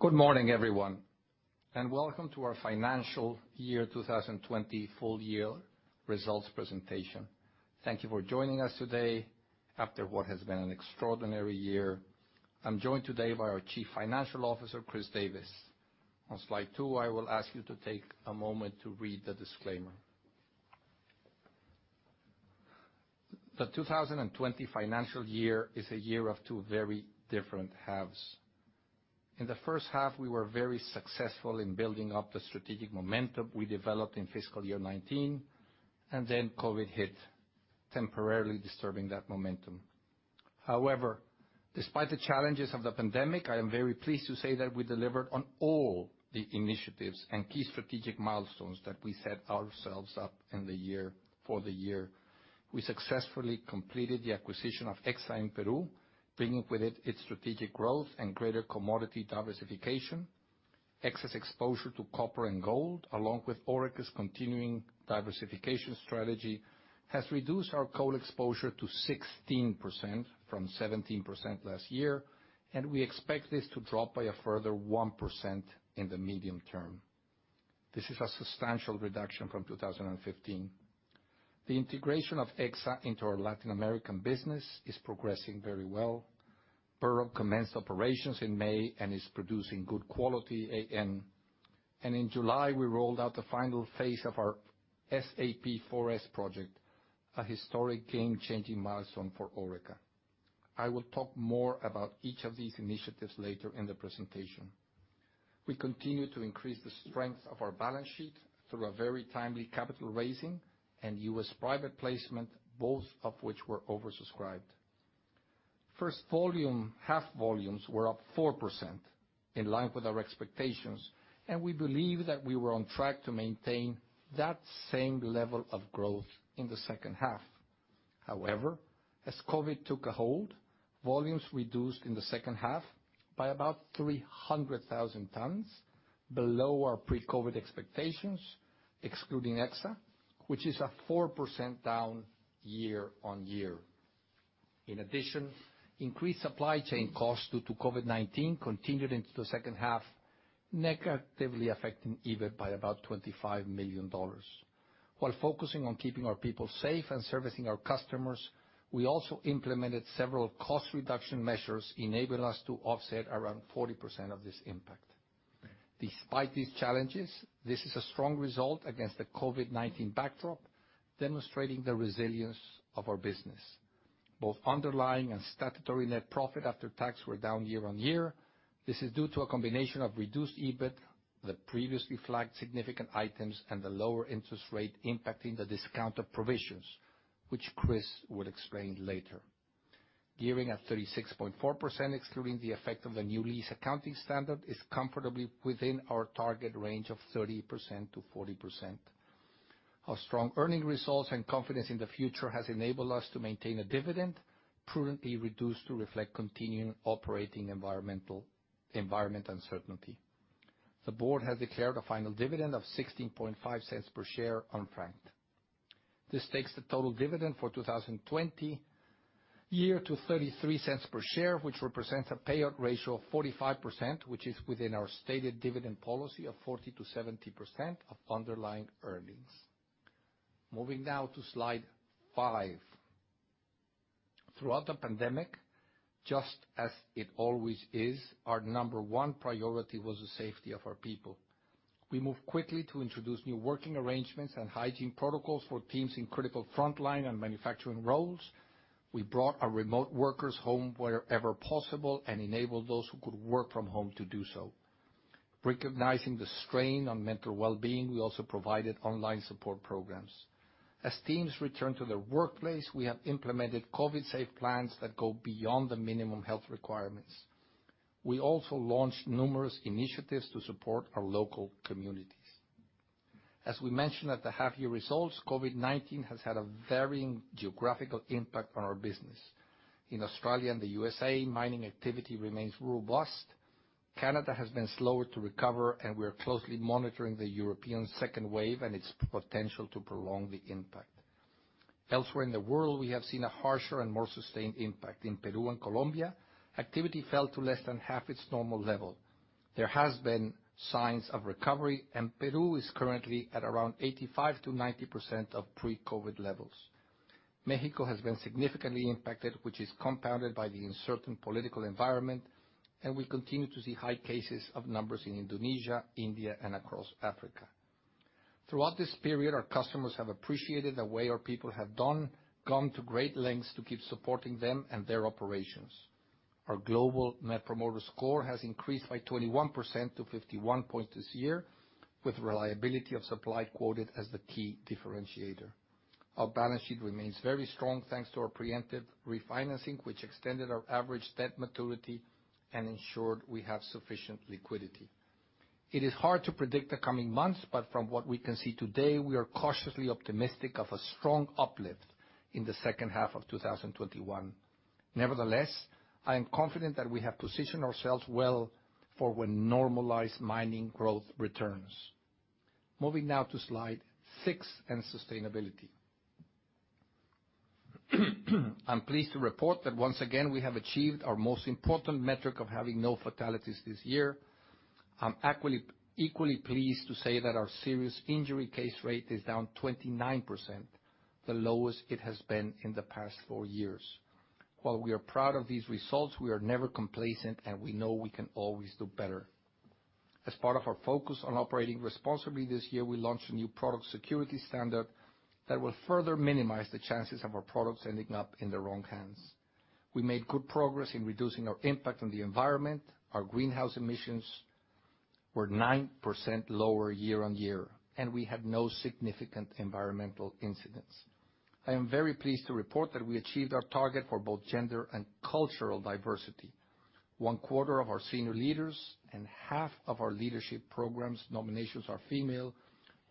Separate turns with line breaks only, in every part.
Good morning, everyone, and welcome to our financial year 2020 full year results presentation. Thank you for joining us today after what has been an extraordinary year. I am joined today by our Chief Financial Officer, Christopher Davis. On slide two, I will ask you to take a moment to read the disclaimer. The 2020 financial year is a year of two very different halves. In the first half, we were very successful in building up the strategic momentum we developed in FY 2019. COVID hit, temporarily disturbing that momentum. However, despite the challenges of the pandemic, I am very pleased to say that we delivered on all the initiatives and key strategic milestones that we set ourselves up for the year. We successfully completed the acquisition of Exsa in Peru, bringing with it its strategic growth and greater commodity diversification. Exsa's exposure to copper and gold, along with Orica's continuing diversification strategy, has reduced our coal exposure to 16% from 17% last year. We expect this to drop by a further 1% in the medium term. This is a substantial reduction from 2015. The integration of Exsa into our Latin American business is progressing very well. Burrup commenced operations in May and is producing good quality AN. In July, we rolled out the final phase of our 4S project, a historic game-changing milestone for Orica. I will talk more about each of these initiatives later in the presentation. We continue to increase the strength of our balance sheet through a very timely capital raising and U.S. private placement, both of which were oversubscribed. First half volumes were up 4%, in line with our expectations. We believe that we were on track to maintain that same level of growth in the second half. However, as COVID took a hold, volumes reduced in the second half by about 300,000 tons, below our pre-COVID expectations, excluding Exsa, which is a 4% down year-on-year. In addition, increased supply chain costs due to COVID-19 continued into the second half, negatively affecting EBIT by about 25 million dollars. While focusing on keeping our people safe and servicing our customers, we also implemented several cost reduction measures, enabling us to offset around 40% of this impact. Despite these challenges, this is a strong result against the COVID-19 backdrop, demonstrating the resilience of our business. Both underlying and statutory net profit after tax were down year-on-year. This is due to a combination of reduced EBIT, the previously flagged significant items, and the lower interest rate impacting the discount of provisions, which Chris will explain later. Gearing at 36.4%, excluding the effect of the new lease accounting standard, is comfortably within our target range of 30%-40%. Our strong earning results and confidence in the future has enabled us to maintain a dividend, prudently reduced to reflect continuing operating environment uncertainty. The board has declared a final dividend of 0.165 per share unfranked. This takes the total dividend for 2020 year to 0.33 per share, which represents a payout ratio of 45%, which is within our stated dividend policy of 40%-70% of underlying earnings. Moving now to slide five. Throughout the pandemic, just as it always is, our number 1 priority was the safety of our people. We moved quickly to introduce new working arrangements and hygiene protocols for teams in critical frontline and manufacturing roles. We brought our remote workers home wherever possible and enabled those who could work from home to do so. Recognizing the strain on mental well-being, we also provided online support programs. As teams return to their workplace, we have implemented COVID-safe plans that go beyond the minimum health requirements. We also launched numerous initiatives to support our local communities. As we mentioned at the half-year results, COVID-19 has had a varying geographical impact on our business. In Australia and the U.S.A., mining activity remains robust. Canada has been slower to recover, and we are closely monitoring the European second wave and its potential to prolong the impact. Elsewhere in the world, we have seen a harsher and more sustained impact. In Peru and Colombia, activity fell to less than half its normal level. There has been signs of recovery, Peru is currently at around 85%-90% of pre-COVID levels. Mexico has been significantly impacted, which is compounded by the uncertain political environment, and we continue to see high cases of numbers in Indonesia, India, and across Africa. Throughout this period, our customers have appreciated the way our people have gone to great lengths to keep supporting them and their operations. Our global Net Promoter Score has increased by 21% to 51 points this year, with reliability of supply quoted as the key differentiator. Our balance sheet remains very strong, thanks to our preemptive refinancing, which extended our average debt maturity and ensured we have sufficient liquidity. It is hard to predict the coming months, From what we can see today, we are cautiously optimistic of a strong uplift in the second half of 2021. Nevertheless, I am confident that we have positioned ourselves well for when normalized mining growth returns. Moving now to slide six and sustainability. I am pleased to report that once again, we have achieved our most important metric of having no fatalities this year. I am equally pleased to say that our serious injury case rate is down 29%, the lowest it has been in the past four years. We are proud of these results, we are never complacent, and we know we can always do better. As part of our focus on operating responsibly this year, we launched a new product security standard that will further minimize the chances of our products ending up in the wrong hands. We made good progress in reducing our impact on the environment. Our greenhouse emissions were 9% lower year-on-year, and we had no significant environmental incidents. I am very pleased to report that we achieved our target for both gender and cultural diversity. One quarter of our senior leaders and half of our leadership programs nominations are female,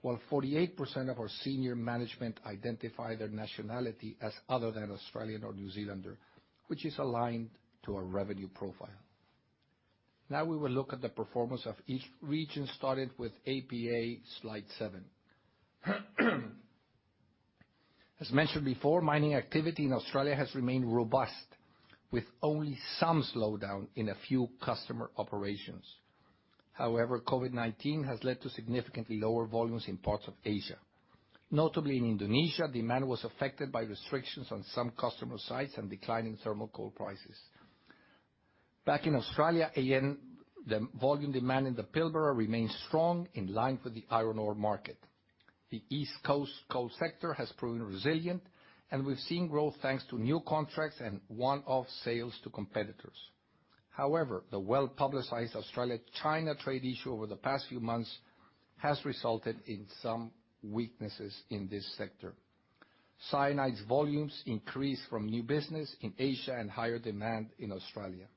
while 48% of our senior management identify their nationality as other than Australian or New Zealander, which is aligned to our revenue profile. We will look at the performance of each region, starting with APAC, slide seven. As mentioned before, mining activity in Australia has remained robust, with only some slowdown in a few customer operations. COVID-19 has led to significantly lower volumes in parts of Asia. In Indonesia, demand was affected by restrictions on some customer sites and declining thermal coal prices. Back in Australia, AN, the volume demand in the Pilbara remains strong in line with the iron ore market. The East Coast coal sector has proven resilient, we've seen growth thanks to new contracts and one-off sales to competitors. However, the well-publicized Australia-China trade issue over the past few months has resulted in some weaknesses in this sector. cyanide's volumes increased from new business in Asia and higher demand in Australia.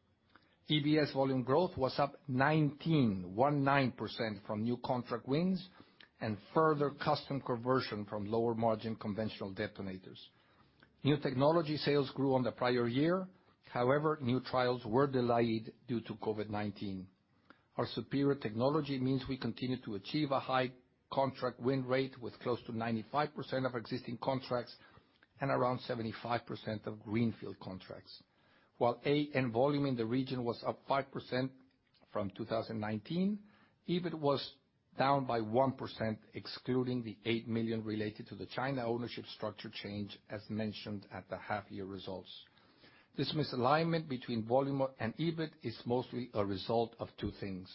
EBS volume growth was up 19% from new contract wins and further custom conversion from lower-margin conventional detonators. New technology sales grew on the prior year. However, new trials were delayed due to COVID-19. Our superior technology means we continue to achieve a high contract win rate with close to 95% of existing contracts and around 75% of greenfield contracts. While AN volume in the region was up 5% from 2019, EBIT was down by 1%, excluding the 8 million related to the China ownership structure change as mentioned at the half-year results. This misalignment between volume and EBIT is mostly a result of two things.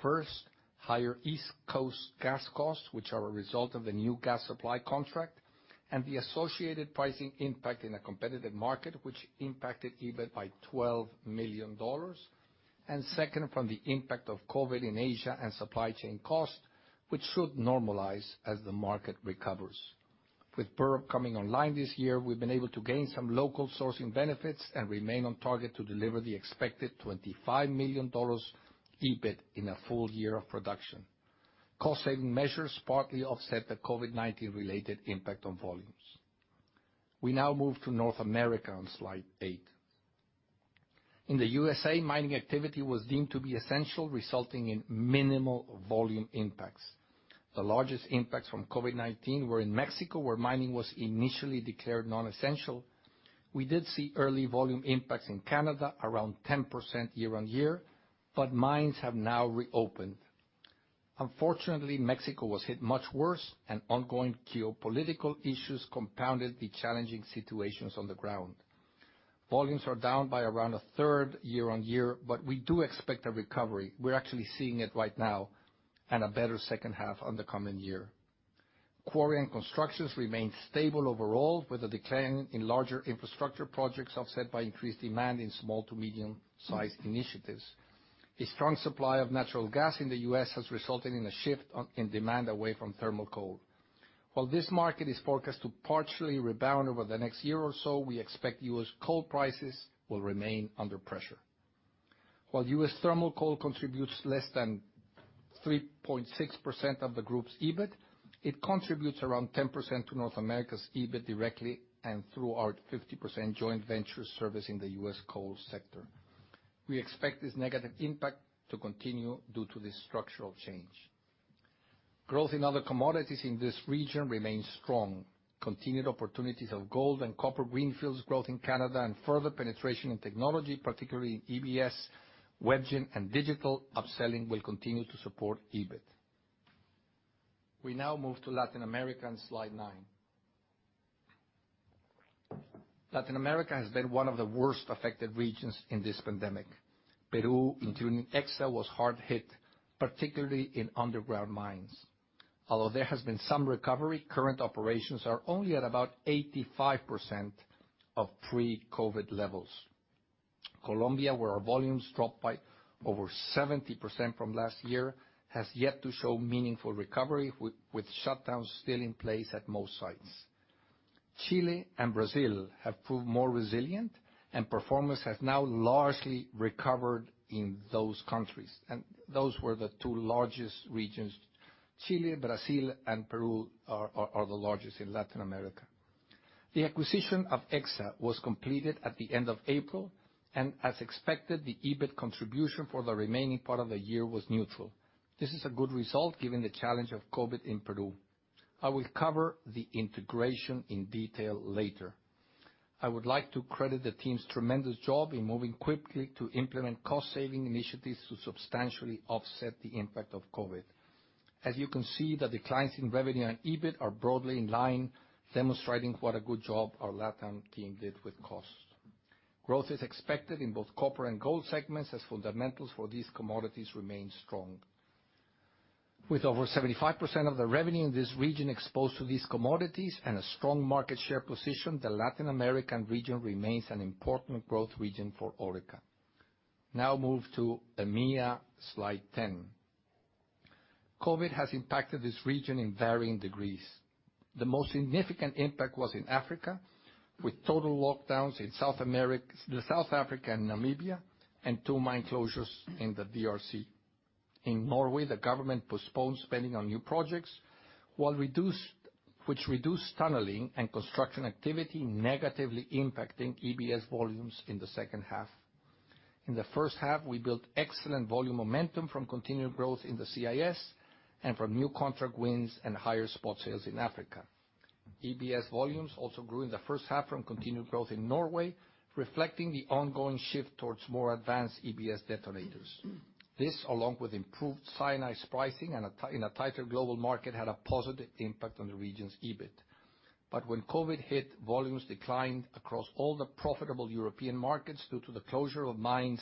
First, higher East Coast gas costs, which are a result of the new gas supply contract and the associated pricing impact in a competitive market, which impacted EBIT by 12 million dollars. Second, from the impact of COVID in Asia and supply chain costs, which should normalize as the market recovers. With Burrup coming online this year, we've been able to gain some local sourcing benefits and remain on target to deliver the expected 25 million dollars EBIT in a full year of production. Cost-saving measures partly offset the COVID-19 related impact on volumes. We now move to North America on slide eight. In the U.S.A., mining activity was deemed to be essential, resulting in minimal volume impacts. The largest impacts from COVID-19 were in Mexico, where mining was initially declared non-essential. We did see early volume impacts in Canada around 10% year-on-year, mines have now reopened. Unfortunately, Mexico was hit much worse, ongoing geopolitical issues compounded the challenging situations on the ground. Volumes are down by around a third year-on-year, we do expect a recovery. We're actually seeing it right now and a better second half on the coming year. Quarry and Construction remain stable overall, with a decline in larger infrastructure projects offset by increased demand in small to medium-sized initiatives. A strong supply of natural gas in the U.S. has resulted in a shift in demand away from thermal coal. While this market is forecast to partially rebound over the next year or so, we expect U.S. coal prices will remain under pressure. While U.S. thermal coal contributes less than 3.6% of the group's EBIT, it contributes around 10% to North America's EBIT directly and through our 50% joint venture service in the U.S. coal sector. We expect this negative impact to continue due to this structural change. Growth in other commodities in this region remains strong. Continued opportunities of gold and copper greenfields growth in Canada, further penetration in technology, particularly in EBS, WebGen, and digital upselling will continue to support EBIT. We now move to Latin America on slide nine. Latin America has been one of the worst affected regions in this pandemic. Peru, including Exsa, was hard hit, particularly in underground mines. Although there has been some recovery, current operations are only at about 85% of pre-COVID levels. Colombia, where our volumes dropped by over 70% from last year, has yet to show meaningful recovery, with shutdowns still in place at most sites. Chile and Brazil have proved more resilient, and performance has now largely recovered in those countries. Those were the two largest regions. Chile, Brazil, and Peru are the largest in Latin America. The acquisition of Exsa was completed at the end of April, and as expected, the EBIT contribution for the remaining part of the year was neutral. This is a good result given the challenge of COVID in Peru. I will cover the integration in detail later. I would like to credit the team's tremendous job in moving quickly to implement cost-saving initiatives to substantially offset the impact of COVID. As you can see, the declines in revenue and EBIT are broadly in line, demonstrating what a good job our LatAm team did with costs. Growth is expected in both copper and gold segments as fundamentals for these commodities remain strong. With over 75% of the revenue in this region exposed to these commodities and a strong market share position, the Latin American region remains an important growth region for Orica. Move to EMEA, slide 10. COVID has impacted this region in varying degrees. The most significant impact was in Africa, with total lockdowns in South Africa and Namibia, and two mine closures in the DRC. In Norway, the government postponed spending on new projects, which reduced tunneling and construction activity, negatively impacting EBS volumes in the second half. In the first half, we built excellent volume momentum from continued growth in the CIS and from new contract wins and higher spot sales in Africa. EBS volumes also grew in the first half from continued growth in Norway, reflecting the ongoing shift towards more advanced EBS detonators. This, along with improved cyanide pricing in a tighter global market, had a positive impact on the region's EBIT. When COVID hit, volumes declined across all the profitable European markets due to the closure of mines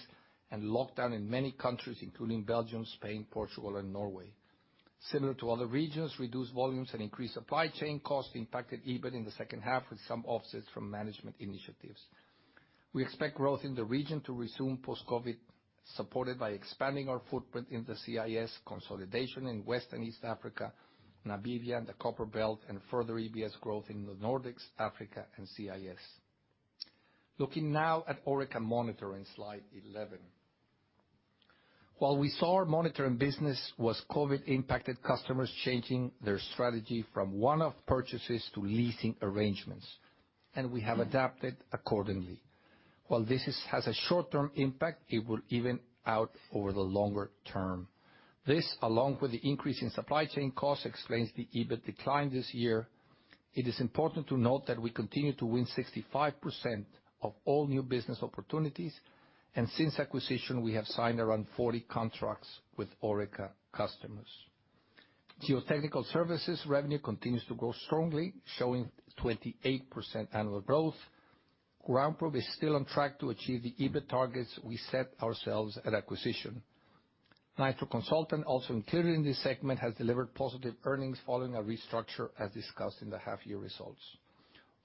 and lockdown in many countries, including Belgium, Spain, Portugal, and Norway. Similar to other regions, reduced volumes and increased supply chain costs impacted EBIT in the second half, with some offsets from management initiatives. We expect growth in the region to resume post-COVID, supported by expanding our footprint in the CIS, consolidation in West and East Africa, Namibia, and the Copperbelt, and further EBS growth in the Nordics, Africa, and CIS. Look at Orica Monitor in slide 11. While we saw our monitoring business was COVID impacted, customers changing their strategy from one-off purchases to leasing arrangements, and we have adapted accordingly. While this has a short-term impact, it will even out over the longer term. This, along with the increase in supply chain costs, explains the EBIT decline this year. It is important to note that we continue to win 65% of all new business opportunities, and since acquisition, we have signed around 40 contracts with Orica customers. Geotechnical Services revenue continues to grow strongly, showing 28% annual growth. GroundProbe is still on track to achieve the EBIT targets we set ourselves at acquisition. Nitro Consult, also included in this segment, has delivered positive earnings following a restructure, as discussed in the half-year results.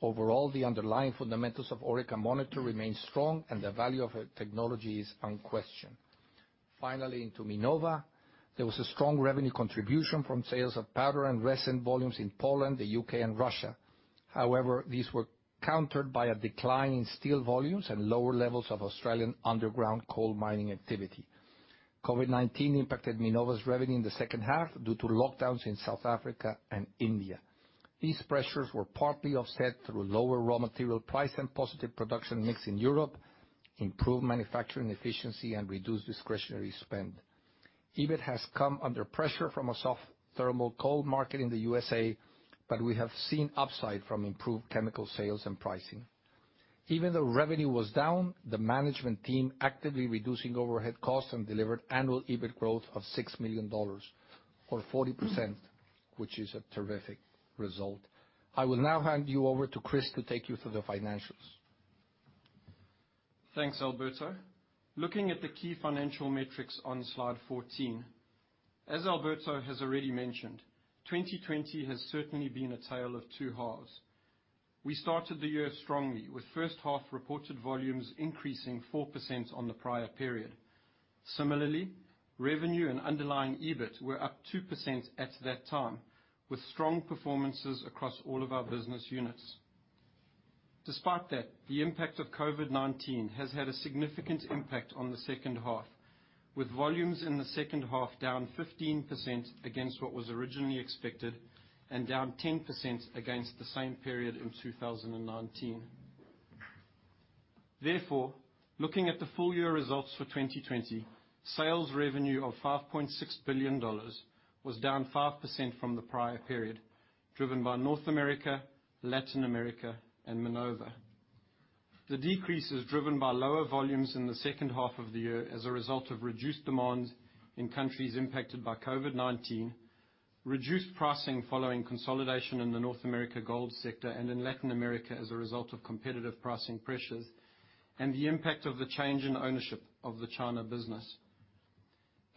Overall, the underlying fundamentals of Orica Monitor remain strong, and the value of our technology is unquestioned. Into Minova. There was a strong revenue contribution from sales of powder and resin volumes in Poland, the U.K., and Russia. These were countered by a decline in steel volumes and lower levels of Australian underground coal mining activity. COVID-19 impacted Minova's revenue in the second half due to lockdowns in South Africa and India. These pressures were partly offset through lower raw material price and positive production mix in Europe, improved manufacturing efficiency, and reduced discretionary spend. EBIT has come under pressure from a soft thermal coal market in the USA. We have seen upside from improved chemical sales and pricing. Even though revenue was down, the management team actively reducing overhead costs and delivered annual EBIT growth of 6 million dollars, or 40%, which is a terrific result. I will now hand you over to Chris to take you through the financials.
Thanks, Alberto. Looking at the key financial metrics on slide 14. As Alberto has already mentioned, 2020 has certainly been a tale of two halves. We started the year strongly, with first half reported volumes increasing 4% on the prior period. Revenue and underlying EBIT were up 2% at that time, with strong performances across all of our business units. Despite that, the impact of COVID-19 has had a significant impact on the second half, with volumes in the second half down 15% against what was originally expected and down 10% against the same period in 2019. Looking at the full-year results for 2020, sales revenue of 5.6 billion dollars was down 5% from the prior period, driven by North America, Latin America, and Minova. The decrease is driven by lower volumes in the second half of the year as a result of reduced demand in countries impacted by COVID-19, reduced pricing following consolidation in the North America gold sector and in Latin America as a result of competitive pricing pressures, and the impact of the change in ownership of the China business.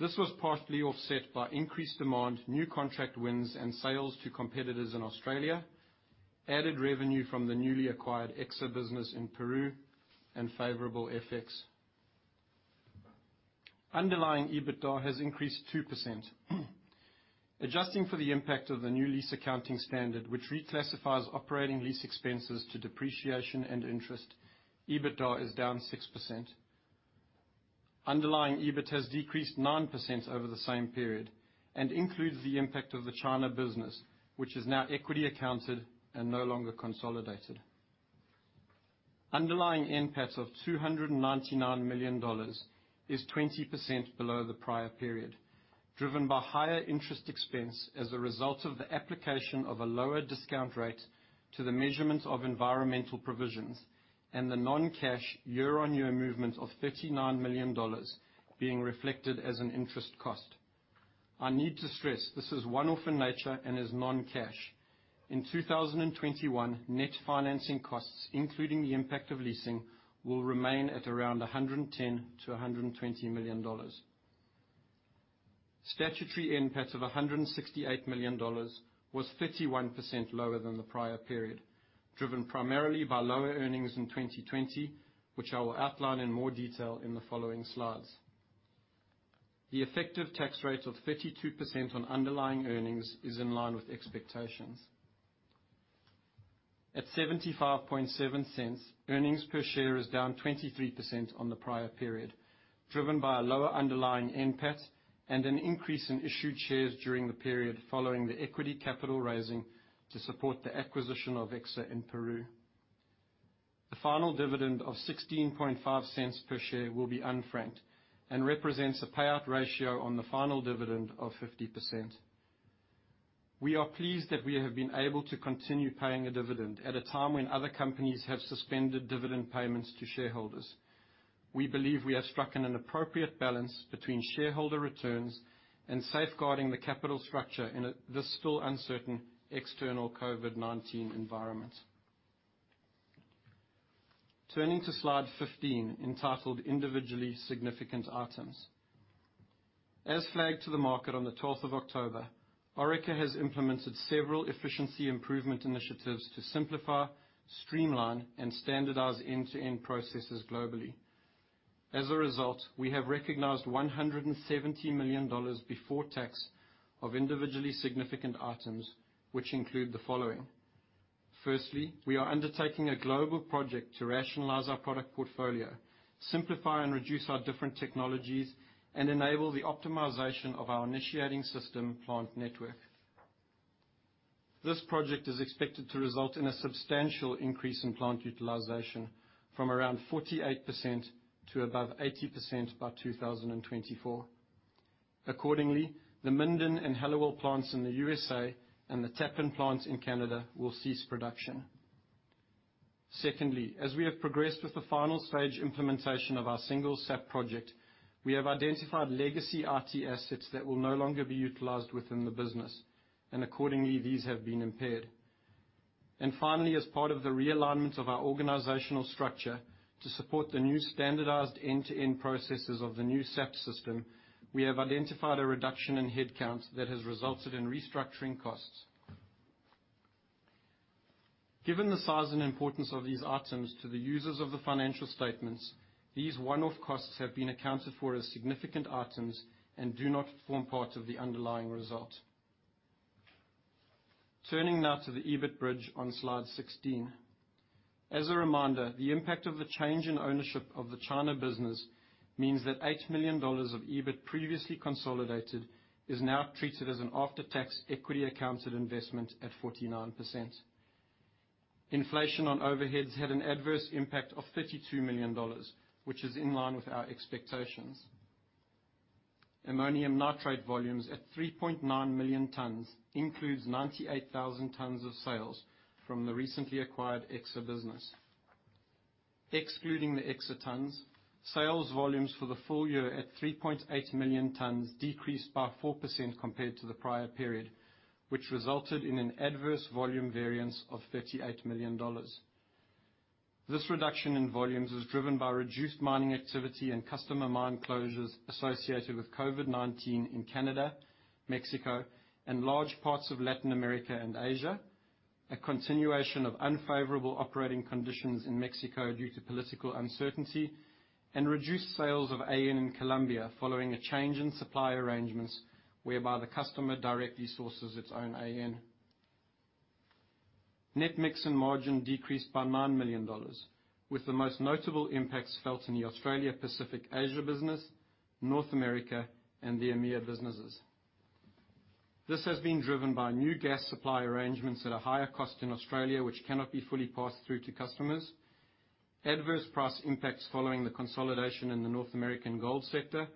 This was partly offset by increased demand, new contract wins, and sales to competitors in Australia, added revenue from the newly acquired Exsa business in Peru, and favorable FX. Underlying EBITDA has increased 2%. Adjusting for the impact of the new lease accounting standard, which reclassifies operating lease expenses to depreciation and interest, EBITDA is down 6%. Underlying EBIT has decreased 9% over the same period and includes the impact of the China business, which is now equity accounted and no longer consolidated. Underlying NPAT of 299 million dollars is 20% below the prior period. Driven by higher interest expense as a result of the application of a lower discount rate to the measurement of environmental provisions and the non-cash year-on-year movement of 39 million dollars being reflected as an interest cost. I need to stress this is one-off in nature and is non-cash. In 2021, net financing costs, including the impact of leasing, will remain at around 110 million to 120 million dollars. Statutory NPAT of 168 million dollars was 31% lower than the prior period, driven primarily by lower earnings in 2020, which I will outline in more detail in the following slides. The effective tax rate of 32% on underlying earnings is in line with expectations. At 0.757, earnings per share is down 23% on the prior period, driven by a lower underlying NPAT and an increase in issued shares during the period following the equity capital raising to support the acquisition of Exsa in Peru. The final dividend of 0.165 per share will be unfranked and represents a payout ratio on the final dividend of 50%. We are pleased that we have been able to continue paying a dividend at a time when other companies have suspended dividend payments to shareholders. We believe we have struck an appropriate balance between shareholder returns and safeguarding the capital structure in this still uncertain external COVID-19 environment. Turning to Slide 15 entitled Individually Significant Items. As flagged to the market on the 12th of October, Orica has implemented several efficiency improvement initiatives to simplify, streamline, and standardize end-to-end processes globally. As a result, we have recognized 170 million dollars before tax of individually significant items, which include the following. Firstly, we are undertaking a global project to rationalize our product portfolio, simplify and reduce our different technologies, and enable the optimization of our initiating system plant network. This project is expected to result in a substantial increase in plant utilization from around 48% to above 80% by 2024. Accordingly, the Minden and Hallowell plants in the U.S.A. and the Tappen plants in Canada will cease production. Secondly, as we have progressed with the final stage implementation of our single SAP project, we have identified legacy IT assets that will no longer be utilized within the business, and accordingly, these have been impaired. Finally, as part of the realignment of our organizational structure to support the new standardized end-to-end processes of the new SAP system, we have identified a reduction in headcounts that has resulted in restructuring costs. Given the size and importance of these items to the users of the financial statements, these one-off costs have been accounted for as significant items and do not form part of the underlying result. Turning now to the EBIT bridge on Slide 16. As a reminder, the impact of the change in ownership of the China business means that 8 million dollars of EBIT previously consolidated is now treated as an after-tax equity accounted investment at 49%. Inflation on overheads had an adverse impact of 32 million dollars, which is in line with our expectations. Ammonium nitrate volumes at 3.9 million tons includes 98,000 tons of sales from the recently acquired Exsa business. Excluding the Exsa tons, sales volumes for the full year at 3.8 million tons decreased by 4% compared to the prior period, which resulted in an adverse volume variance of 38 million dollars. This reduction in volumes is driven by reduced mining activity and customer mine closures associated with COVID-19 in Canada, Mexico, and large parts of Latin America and Asia. A continuation of unfavorable operating conditions in Mexico due to political uncertainty and reduced sales of AN in Colombia following a change in supply arrangements whereby the customer directly sources its own AN. Net mix and margin decreased by 9 million dollars with the most notable impacts felt in the Australia Pacific Asia business, North America, and the EMEA businesses. This has been driven by new gas supply arrangements at a higher cost in Australia, which cannot be fully passed through to customers. Adverse price impacts following the consolidation in the North American gold sector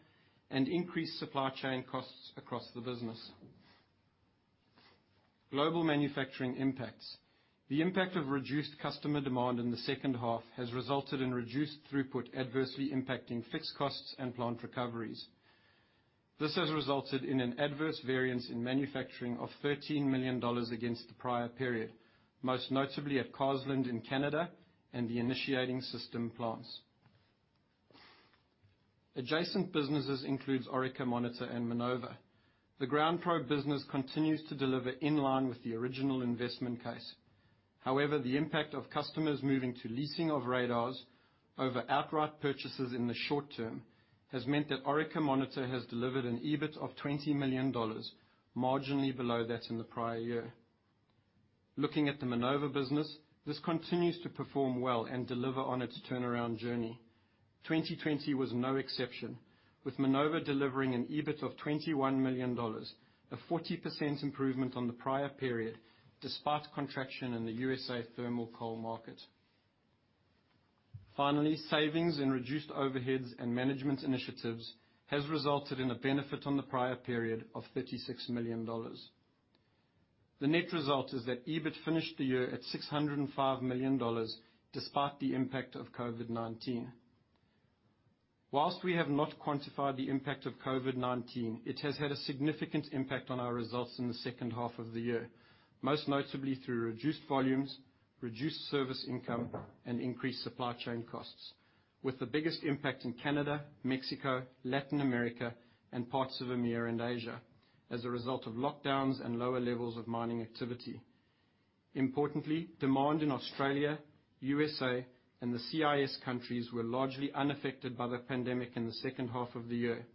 and increased supply chain costs across the business. Global manufacturing impacts. The impact of reduced customer demand in the second half has resulted in reduced throughput adversely impacting fixed costs and plant recoveries. This has resulted in an adverse variance in manufacturing of 13 million dollars against the prior period, most notably at Carseland in Canada and the initiating system plants. Adjacent businesses includes Orica Monitor and Minova. The GroundProbe business continues to deliver in line with the original investment case. However, the impact of customers moving to leasing of radars over outright purchases in the short term has meant that Orica Monitor has delivered an EBIT of 20 million dollars, marginally below that in the prior year. Looking at the Minova business, this continues to perform well and deliver on its turnaround journey. 2020 was no exception, with Minova delivering an EBIT of 21 million dollars, a 40% improvement on the prior period despite contraction in the U.S.A. thermal coal market. Finally, savings and reduced overheads and management initiatives has resulted in a benefit on the prior period of 36 million dollars. The net result is that EBIT finished the year at 605 million dollars, despite the impact of COVID-19. We have not quantified the impact of COVID-19, it has had a significant impact on our results in the second half of the year, most notably through reduced volumes, reduced service income, and increased supply chain costs, with the biggest impact in Canada, Mexico, Latin America, and parts of EMEA and Asia, as a result of lockdowns and lower levels of mining activity. Importantly, demand in Australia, U.S.A., and the CIS countries were largely unaffected by the pandemic in the second half of the year.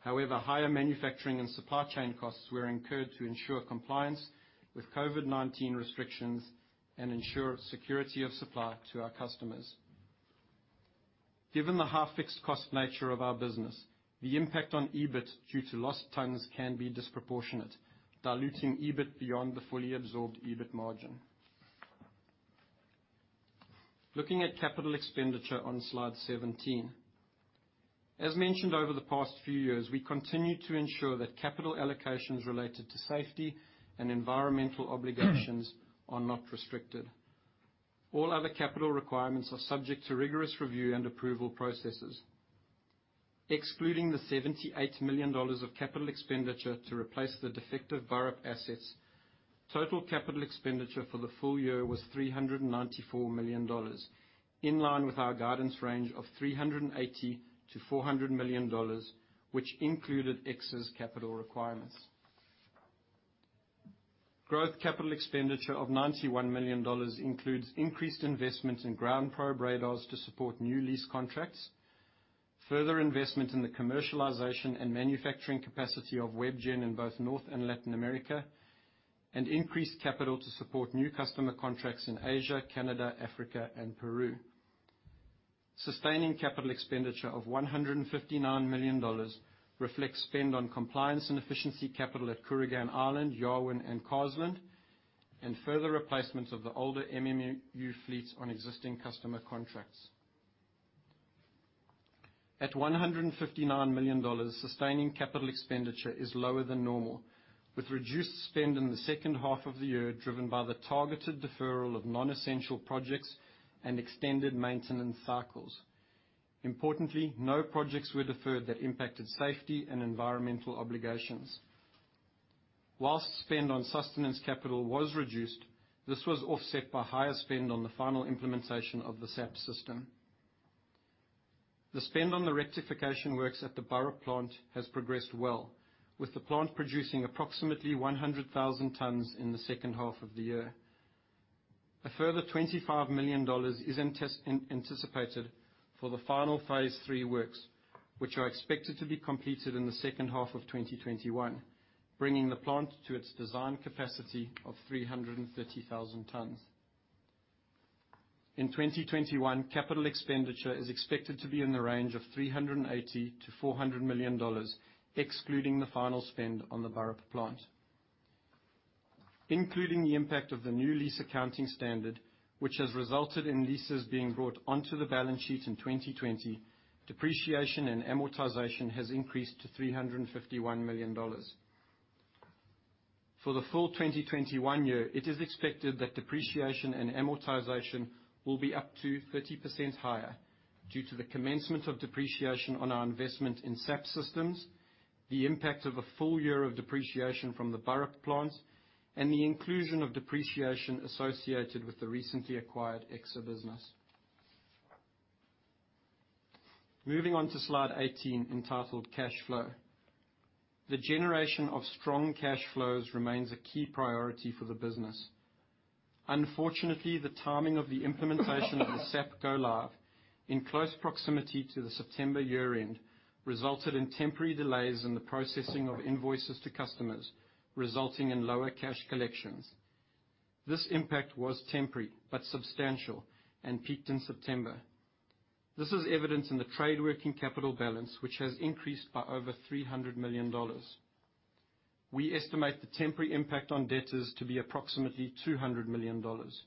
Higher manufacturing and supply chain costs were incurred to ensure compliance with COVID-19 restrictions and ensure security of supply to our customers. Given the half-fixed cost nature of our business, the impact on EBIT due to lost tons can be disproportionate, diluting EBIT beyond the fully absorbed EBIT margin. Looking at capital expenditure on slide 17. As mentioned over the past few years, we continue to ensure that capital allocations related to safety and environmental obligations are not restricted. All other capital requirements are subject to rigorous review and approval processes. Excluding the 78 million dollars of capital expenditure to replace the defective Burrup assets, total capital expenditure for the full year was 394 million dollars, in line with our guidance range of 380 million-400 million dollars, which included Exsa's capital requirements. Growth capital expenditure of 91 million dollars includes increased investments in GroundProbe radars to support new lease contracts, further investment in the commercialization and manufacturing capacity of WebGen in both North and Latin America, and increased capital to support new customer contracts in Asia, Canada, Africa, and Peru. Sustaining capital expenditure of 159 million dollars reflects spend on compliance and efficiency capital at Kooragang Island, Yarwun, and Carseland, and further replacements of the older MMU fleets on existing customer contracts. At 159 million dollars, sustaining capital expenditure is lower than normal, with reduced spend in the second half of the year driven by the targeted deferral of non-essential projects and extended maintenance cycles. Importantly, no projects were deferred that impacted safety and environmental obligations. Whilst spend on sustenance capital was reduced, this was offset by higher spend on the final implementation of the SAP system. The spend on the rectification works at the Burrup plant has progressed well, with the plant producing approximately 100,000 tons in the second half of the year. A further 25 million dollars is anticipated for the final phase 3 works, which are expected to be completed in the second half of 2021, bringing the plant to its design capacity of 330,000 tons. In 2021, capital expenditure is expected to be in the range of 380 million-400 million dollars, excluding the final spend on the Burrup plant. Including the impact of the new lease accounting standard, which has resulted in leases being brought onto the balance sheet in 2020, depreciation and amortization has increased to 351 million dollars. For the full 2021 year, it is expected that depreciation and amortization will be up to 30% higher due to the commencement of depreciation on our investment in SAP systems, the impact of a full year of depreciation from the Burrup plant, and the inclusion of depreciation associated with the recently acquired Exsa business. Moving on to slide 18 entitled cash flow. The generation of strong cash flows remains a key priority for the business. Unfortunately, the timing of the implementation of the SAP go live in close proximity to the September year-end resulted in temporary delays in the processing of invoices to customers, resulting in lower cash collections. This impact was temporary but substantial and peaked in September. This is evident in the trade working capital balance, which has increased by over 300 million dollars. We estimate the temporary impact on debtors to be approximately 200 million dollars.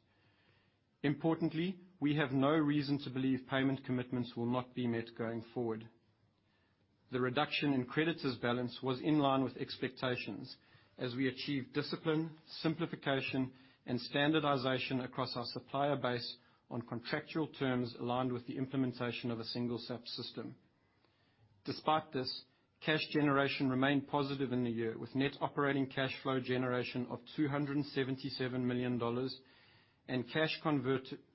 Importantly, we have no reason to believe payment commitments will not be met going forward. The reduction in creditors' balance was in line with expectations as we achieve discipline, simplification, and standardization across our supplier base on contractual terms aligned with the implementation of a single SAP system. Despite this, cash generation remained positive in the year, with net operating cash flow generation of 277 million dollars and cash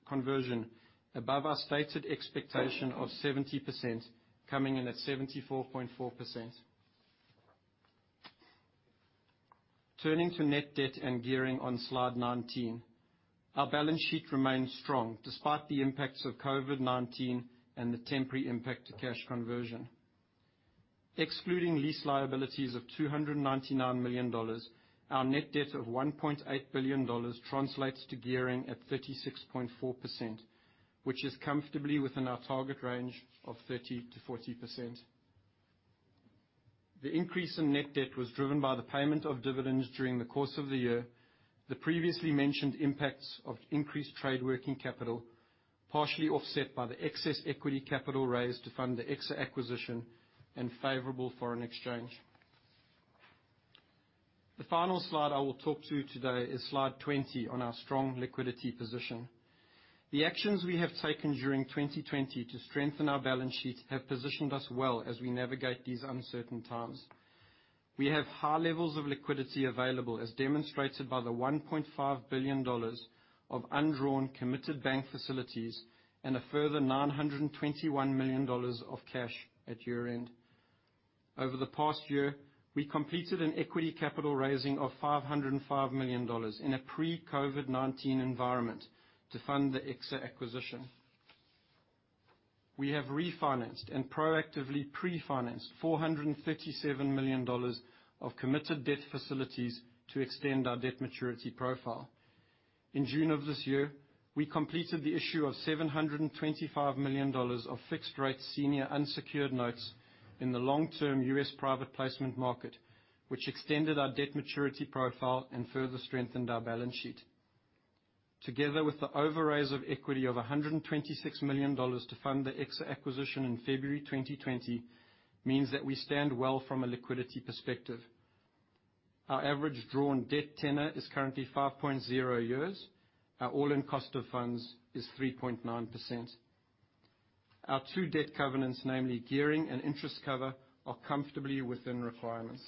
conversion above our stated expectation of 70%, coming in at 74.4%. Turning to net debt and gearing on slide 19. Our balance sheet remains strong despite the impacts of COVID-19 and the temporary impact to cash conversion. Excluding lease liabilities of 299 million dollars, our net debt of 1.8 billion dollars translates to gearing at 36.4%, which is comfortably within our target range of 30%-40%. The increase in net debt was driven by the payment of dividends during the course of the year, the previously mentioned impacts of increased trade working capital, partially offset by the excess equity capital raised to fund the Exsa acquisition and favorable foreign exchange. The final slide I will talk to today is slide 20 on our strong liquidity position. The actions we have taken during 2020 to strengthen our balance sheet have positioned us well as we navigate these uncertain times. We have high levels of liquidity available, as demonstrated by the 1.5 billion dollars of undrawn, committed bank facilities and a further 921 million dollars of cash at year-end. Over the past year, we completed an equity capital raising of 505 million dollars in a pre-COVID-19 environment to fund the Exsa acquisition. We have refinanced and proactively pre-financed 437 million dollars of committed debt facilities to extend our debt maturity profile. In June of this year, we completed the issue of $725 million of fixed rate senior unsecured notes in the long-term US private placement market, which extended our debt maturity profile and further strengthened our balance sheet. Together with the overraise of equity of 126 million dollars to fund the Exsa acquisition in February 2020, means that we stand well from a liquidity perspective. Our average drawn debt tenor is currently 5.0 years. Our all-in cost of funds is 3.9%. Our two debt covenants, namely gearing and interest cover, are comfortably within requirements.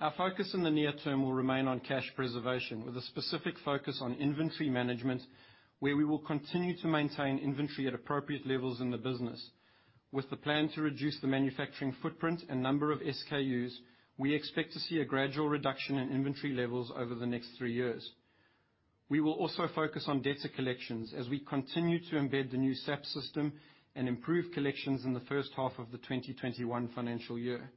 Our focus in the near term will remain on cash preservation, with a specific focus on inventory management, where we will continue to maintain inventory at appropriate levels in the business. With the plan to reduce the manufacturing footprint and number of SKUs, we expect to see a gradual reduction in inventory levels over the next three years. We will also focus on debtor collections as we continue to embed the new SAP system and improve collections in the first half of the 2021 financial year.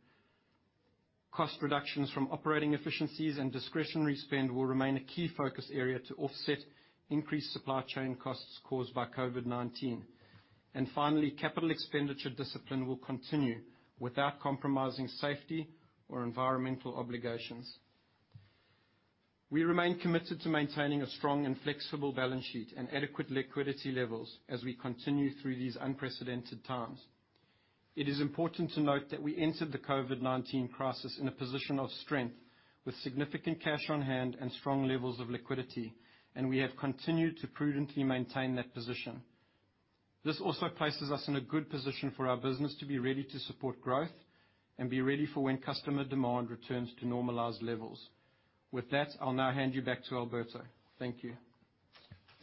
Cost reductions from operating efficiencies and discretionary spend will remain a key focus area to offset increased supply chain costs caused by COVID-19. Finally, capital expenditure discipline will continue without compromising safety or environmental obligations. We remain committed to maintaining a strong and flexible balance sheet and adequate liquidity levels as we continue through these unprecedented times. It is important to note that we entered the COVID-19 crisis in a position of strength with significant cash on hand and strong levels of liquidity, and we have continued to prudently maintain that position. This also places us in a good position for our business to be ready to support growth and be ready for when customer demand returns to normalized levels. With that, I'll now hand you back to Alberto. Thank you.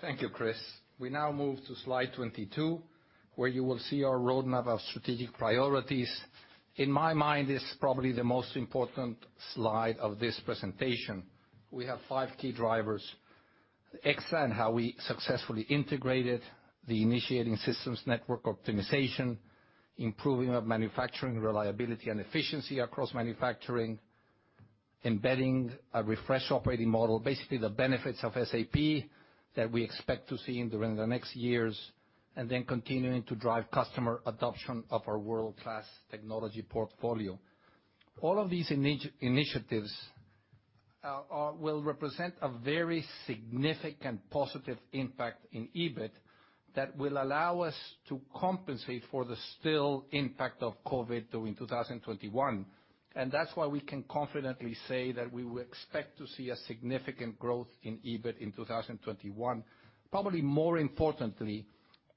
Thank you, Chris. We now move to slide 22, where you will see our roadmap of strategic priorities. In my mind, this is probably the most important slide of this presentation. We have five key drivers. Exsa and how we successfully integrated the initiating systems network optimization, improving of manufacturing reliability and efficiency across manufacturing, embedding a refresh operating model, basically the benefits of SAP that we expect to see during the next years, continuing to drive customer adoption of our world-class technology portfolio. All of these initiatives will represent a very significant positive impact in EBIT that will allow us to compensate for the still impact of COVID during 2021. That's why we can confidently say that we will expect to see a significant growth in EBIT in 2021. Probably more importantly,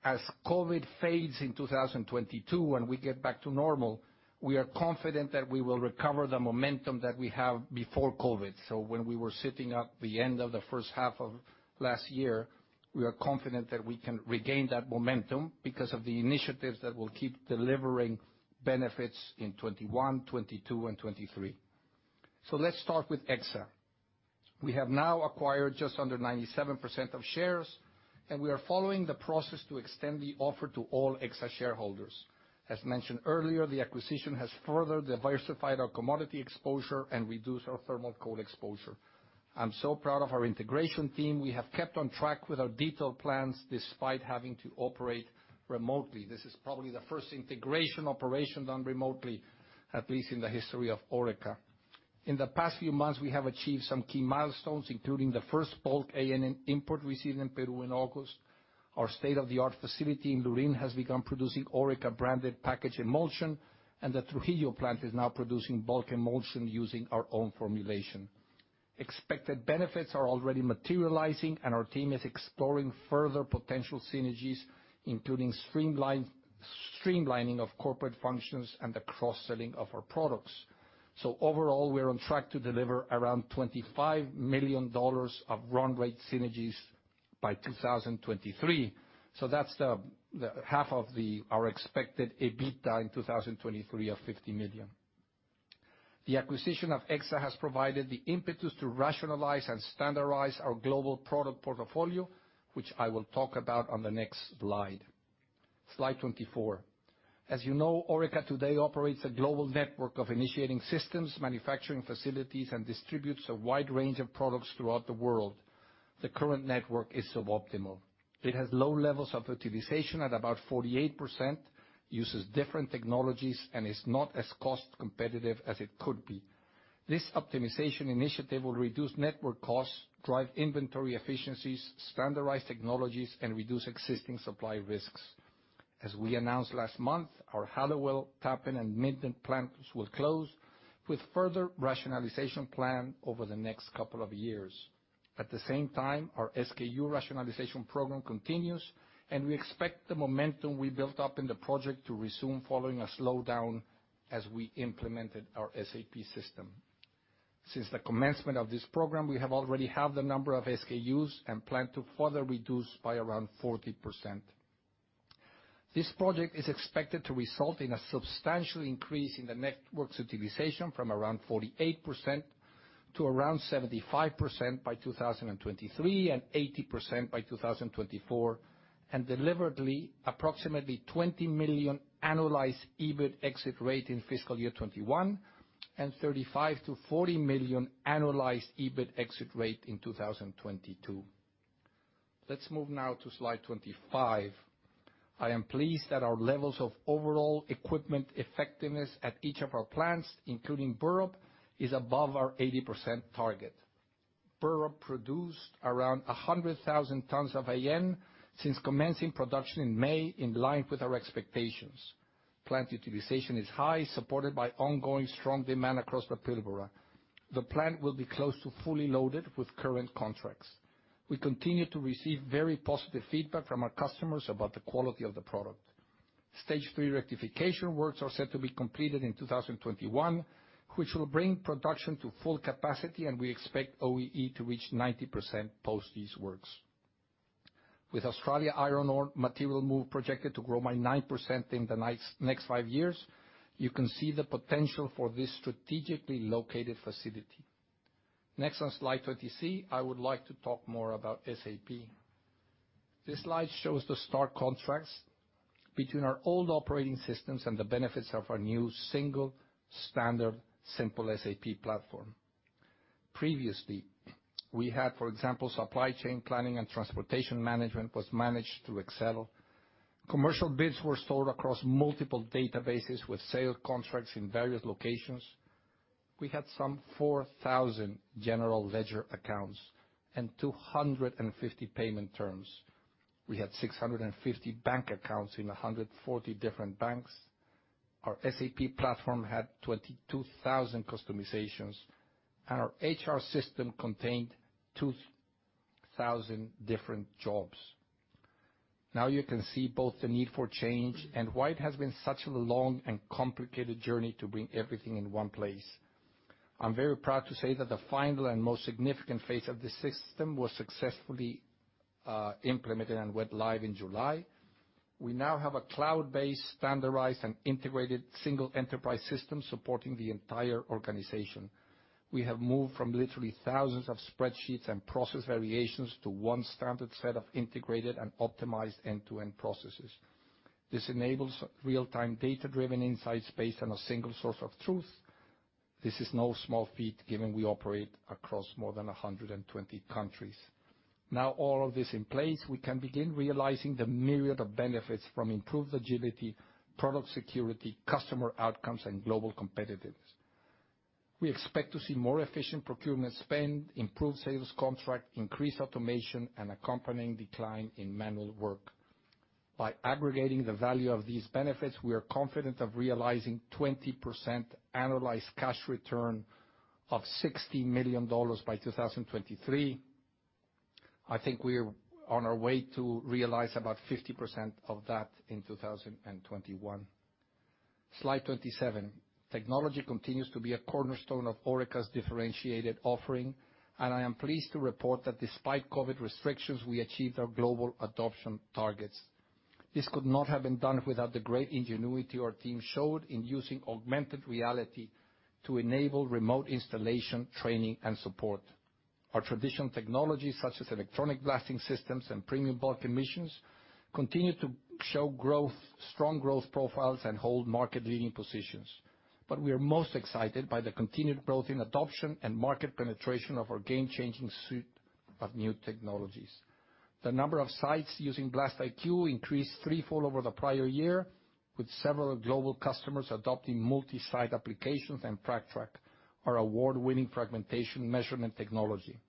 as COVID fades in 2022, when we get back to normal, we are confident that we will recover the momentum that we have before COVID. When we were sitting at the end of the first half of last year, we are confident that we can regain that momentum because of the initiatives that will keep delivering benefits in 2021, 2022, and 2023. Let's start with Exsa. We have now acquired just under 97% of shares, and we are following the process to extend the offer to all Exsa shareholders. As mentioned earlier, the acquisition has further diversified our commodity exposure and reduced our thermal coal exposure. I'm so proud of our integration team. We have kept on track with our detailed plans despite having to operate remotely. This is probably the first integration operation done remotely, at least in the history of Orica. In the past few months, we have achieved some key milestones, including the first bulk ANM import we received in Peru in August. Our state-of-the-art facility in Lurín has begun producing Orica-branded packaged emulsion, and the Trujillo plant is now producing bulk emulsion using our own formulation. Expected benefits are already materializing, and our team is exploring further potential synergies, including streamlining of corporate functions and the cross-selling of our products. Overall, we are on track to deliver around 25 million dollars of run rate synergies by 2023. That's the half of our expected EBITDA in 2023 of 50 million. The acquisition of Exsa has provided the impetus to rationalize and standardize our global product portfolio, which I will talk about on the next slide. Slide 24. As you know, Orica today operates a global network of initiating systems, manufacturing facilities, and distributes a wide range of products throughout the world. The current network is suboptimal. It has low levels of utilization at about 48%, uses different technologies and is not as cost competitive as it could be. This optimization initiative will reduce network costs, drive inventory efficiencies, standardize technologies, and reduce existing supply risks. As we announced last month, our Hallowell, Tappen, and Minden plants will close with further rationalization plan over the next couple of years. At the same time, our SKU rationalization program continues, and we expect the momentum we built up in the project to resume following a slowdown as we implemented our SAP system. Since the commencement of this program, we have already halved the number of SKUs and plan to further reduce by around 40%. This project is expected to result in a substantial increase in the network's utilization from around 48% to around 75% by 2023 and 80% by 2024, and deliberately approximately 20 million annualized EBIT exit rate in FY 2021 and 35 million-40 million annualized EBIT exit rate in 2022. Let's move now to slide 25. I am pleased that our levels of OEE at each of our plants, including Burrup, is above our 80% target. Burrup produced around 100,000 tons of AN since commencing production in May in line with our expectations. Plant utilization is high, supported by ongoing strong demand across the Pilbara. The plant will be close to fully loaded with current contracts. We continue to receive very positive feedback from our customers about the quality of the product. Stage 3 rectification works are set to be completed in 2021, which will bring production to full capacity, and we expect OEE to reach 90% post these works. With Australia AN ore material move projected to grow by 9% in the next five years, you can see the potential for this strategically located facility. Next on slide 26, I would like to talk more about SAP. This slide shows the stark contrasts between our old operating systems and the benefits of our new single standard simple SAP platform. Previously, we had, for example, supply chain planning and transportation management was managed through Excel. Commercial bids were stored across multiple databases with sales contracts in various locations. We had some 4,000 general ledger accounts and 250 payment terms. We had 650 bank accounts in 140 different banks. Our SAP platform had 22,000 customizations, and our HR system contained 2,000 different jobs. Now you can see both the need for change and why it has been such a long and complicated journey to bring everything in one place. I'm very proud to say that the final and most significant phase of the system was successfully implemented and went live in July. We now have a cloud-based, standardized, and integrated single enterprise system supporting the entire organization. We have moved from literally thousands of spreadsheets and process variations to one standard set of integrated and optimized end-to-end processes. This enables real-time data-driven insights based on a single source of truth. This is no small feat given we operate across more than 120 countries. Now all of this in place, we can begin realizing the myriad of benefits from improved agility, product security, customer outcomes, and global competitiveness. We expect to see more efficient procurement spend, improved sales contract, increased automation, and accompanying decline in manual work. By aggregating the value of these benefits, we are confident of realizing 20% annualized cash return of 60 million dollars by 2023. I think we are on our way to realize about 50% of that in 2021. Slide 27. Technology continues to be a cornerstone of Orica's differentiated offering, and I am pleased to report that despite COVID restrictions, we achieved our global adoption targets. This could not have been done without the great ingenuity our team showed in using augmented reality to enable remote installation, training, and support. Our traditional technologies, such as EBS and premium bulk explosives, continue to show strong growth profiles and hold market-leading positions. We are most excited by the continued growth in adoption and market penetration of our game-changing suite of new technologies. The number of sites using BlastIQ increased threefold over the prior year, with several global customers adopting multi-site applications and FRAGTrack, our award-winning fragmentation measurement technology.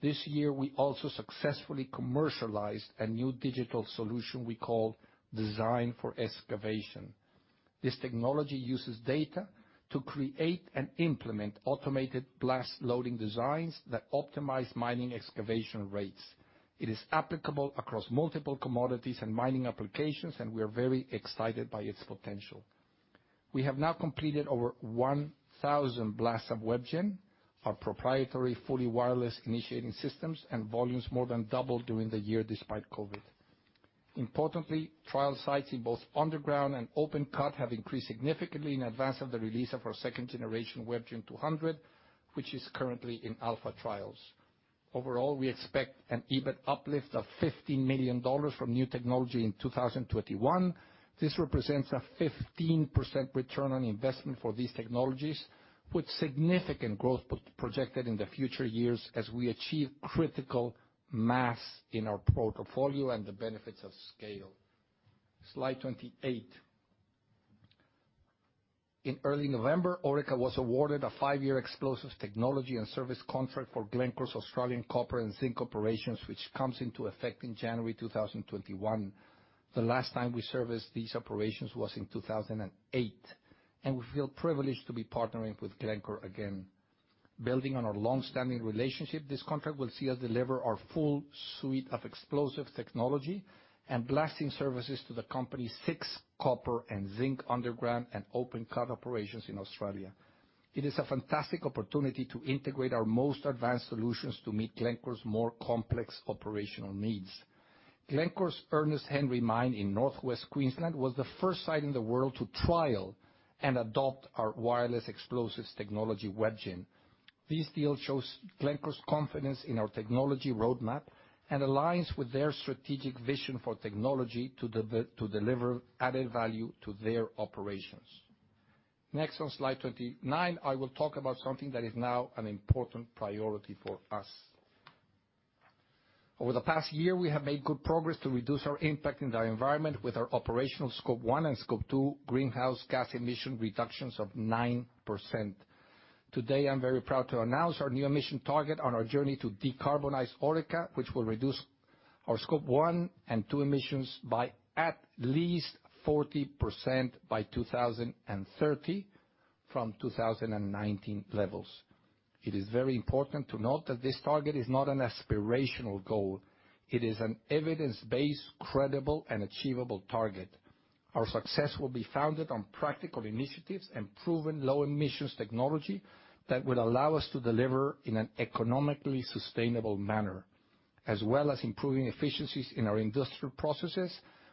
This year, we also successfully commercialized a new digital solution we call Design for Excavation. This technology uses data to create and implement automated blast loading designs that optimize mining excavation rates. It is applicable across multiple commodities and mining applications. We are very excited by its potential. We have now completed over 1,000 blasts of WebGen, our proprietary fully wireless initiating systems, and volumes more than doubled during the year despite COVID. Importantly, trial sites in both underground and open cut have increased significantly in advance of the release of our second generation, WebGen 200, which is currently in alpha trials. Overall, we expect an EBIT uplift of 15 million dollars from new technology in 2021. This represents a 15% return on investment for these technologies, with significant growth projected in the future years as we achieve critical mass in our portfolio and the benefits of scale. Slide 28. In early November, Orica was awarded a five-year explosives technology and service contract for Glencore's Australian copper and zinc operations, which comes into effect in January 2021. The last time we serviced these operations was in 2008. We feel privileged to be partnering with Glencore again. Building on our long-standing relationship, this contract will see us deliver our full suite of explosives technology and blasting services to the company's six copper and zinc underground and open cut operations in Australia. It is a fantastic opportunity to integrate our most advanced solutions to meet Glencore's more complex operational needs. Glencore's Ernest Henry Mine in Northwest Queensland was the first site in the world to trial and adopt our wireless explosives technology, WebGen. This deal shows Glencore's confidence in our technology roadmap. Aligns with their strategic vision for technology to deliver added value to their operations. Next, on slide 29, I will talk about something that is now an important priority for us. Over the past year, we have made good progress to reduce our impact in the environment with our operational Scope 1 and Scope 2 greenhouse gas emission reductions of 9%. Today, I'm very proud to announce our new emission target on our journey to decarbonize Orica, which will reduce our Scope 1 and 2 emissions by at least 40% by 2030 from 2019 levels. It is very important to note that this target is not an aspirational goal. It is an evidence-based, credible, and achievable target. Our success will be founded on practical initiatives and proven low emissions technology that will allow us to deliver in an economically sustainable manner. As well as improving efficiencies in our industrial processes,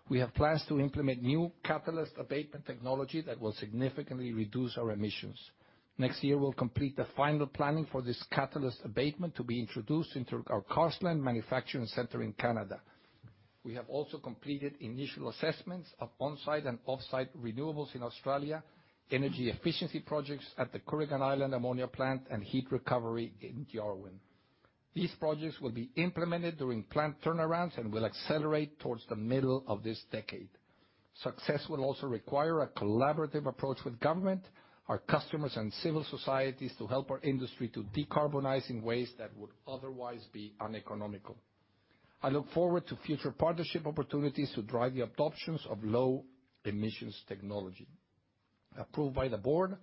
we have plans to implement new catalyst abatement technology that will significantly reduce our emissions. Next year, we'll complete the final planning for this catalyst abatement to be introduced into our Carseland manufacturing center in Canada. We have also completed initial assessments of on-site and off-site renewables in Australia, energy efficiency projects at the Kooragang Island ammonia plant, and heat recovery in Darwin. These projects will be implemented during plant turnarounds. Will accelerate towards the middle of this decade. Success will also require a collaborative approach with government, our customers, and civil societies to help our industry to decarbonize in ways that would otherwise be uneconomical. I look forward to future partnership opportunities to drive the adoption of low emissions technology. Approved by the board,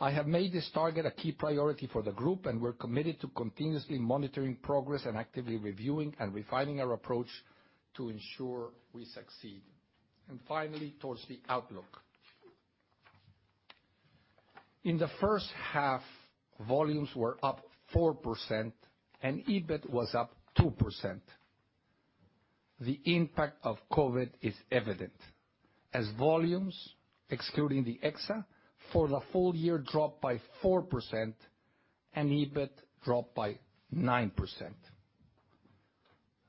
I have made this target a key priority for the group, and we're committed to continuously monitoring progress and actively reviewing and refining our approach to ensure we succeed. Finally, towards the outlook. In the first half, volumes were up 4% and EBIT was up 2%. The impact of COVID is evident as volumes, excluding the Exsa, for the full year dropped by 4% and EBIT dropped by 9%.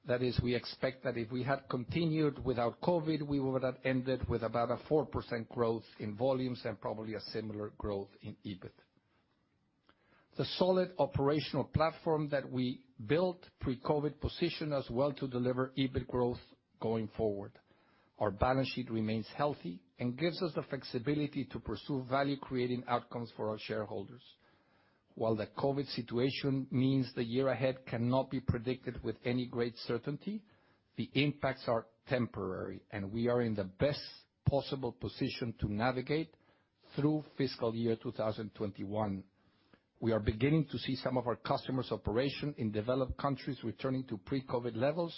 That is, we expect that if we had continued without COVID, we would have ended with about a 4% growth in volumes and probably a similar growth in EBIT. The solid operational platform that we built pre-COVID positioned us well to deliver EBIT growth going forward. Our balance sheet remains healthy and gives us the flexibility to pursue value-creating outcomes for our shareholders. While the COVID situation means the year ahead cannot be predicted with any great certainty, the impacts are temporary, and we are in the best possible position to navigate through fiscal year 2021. We are beginning to see some of our customers' operation in developed countries returning to pre-COVID levels,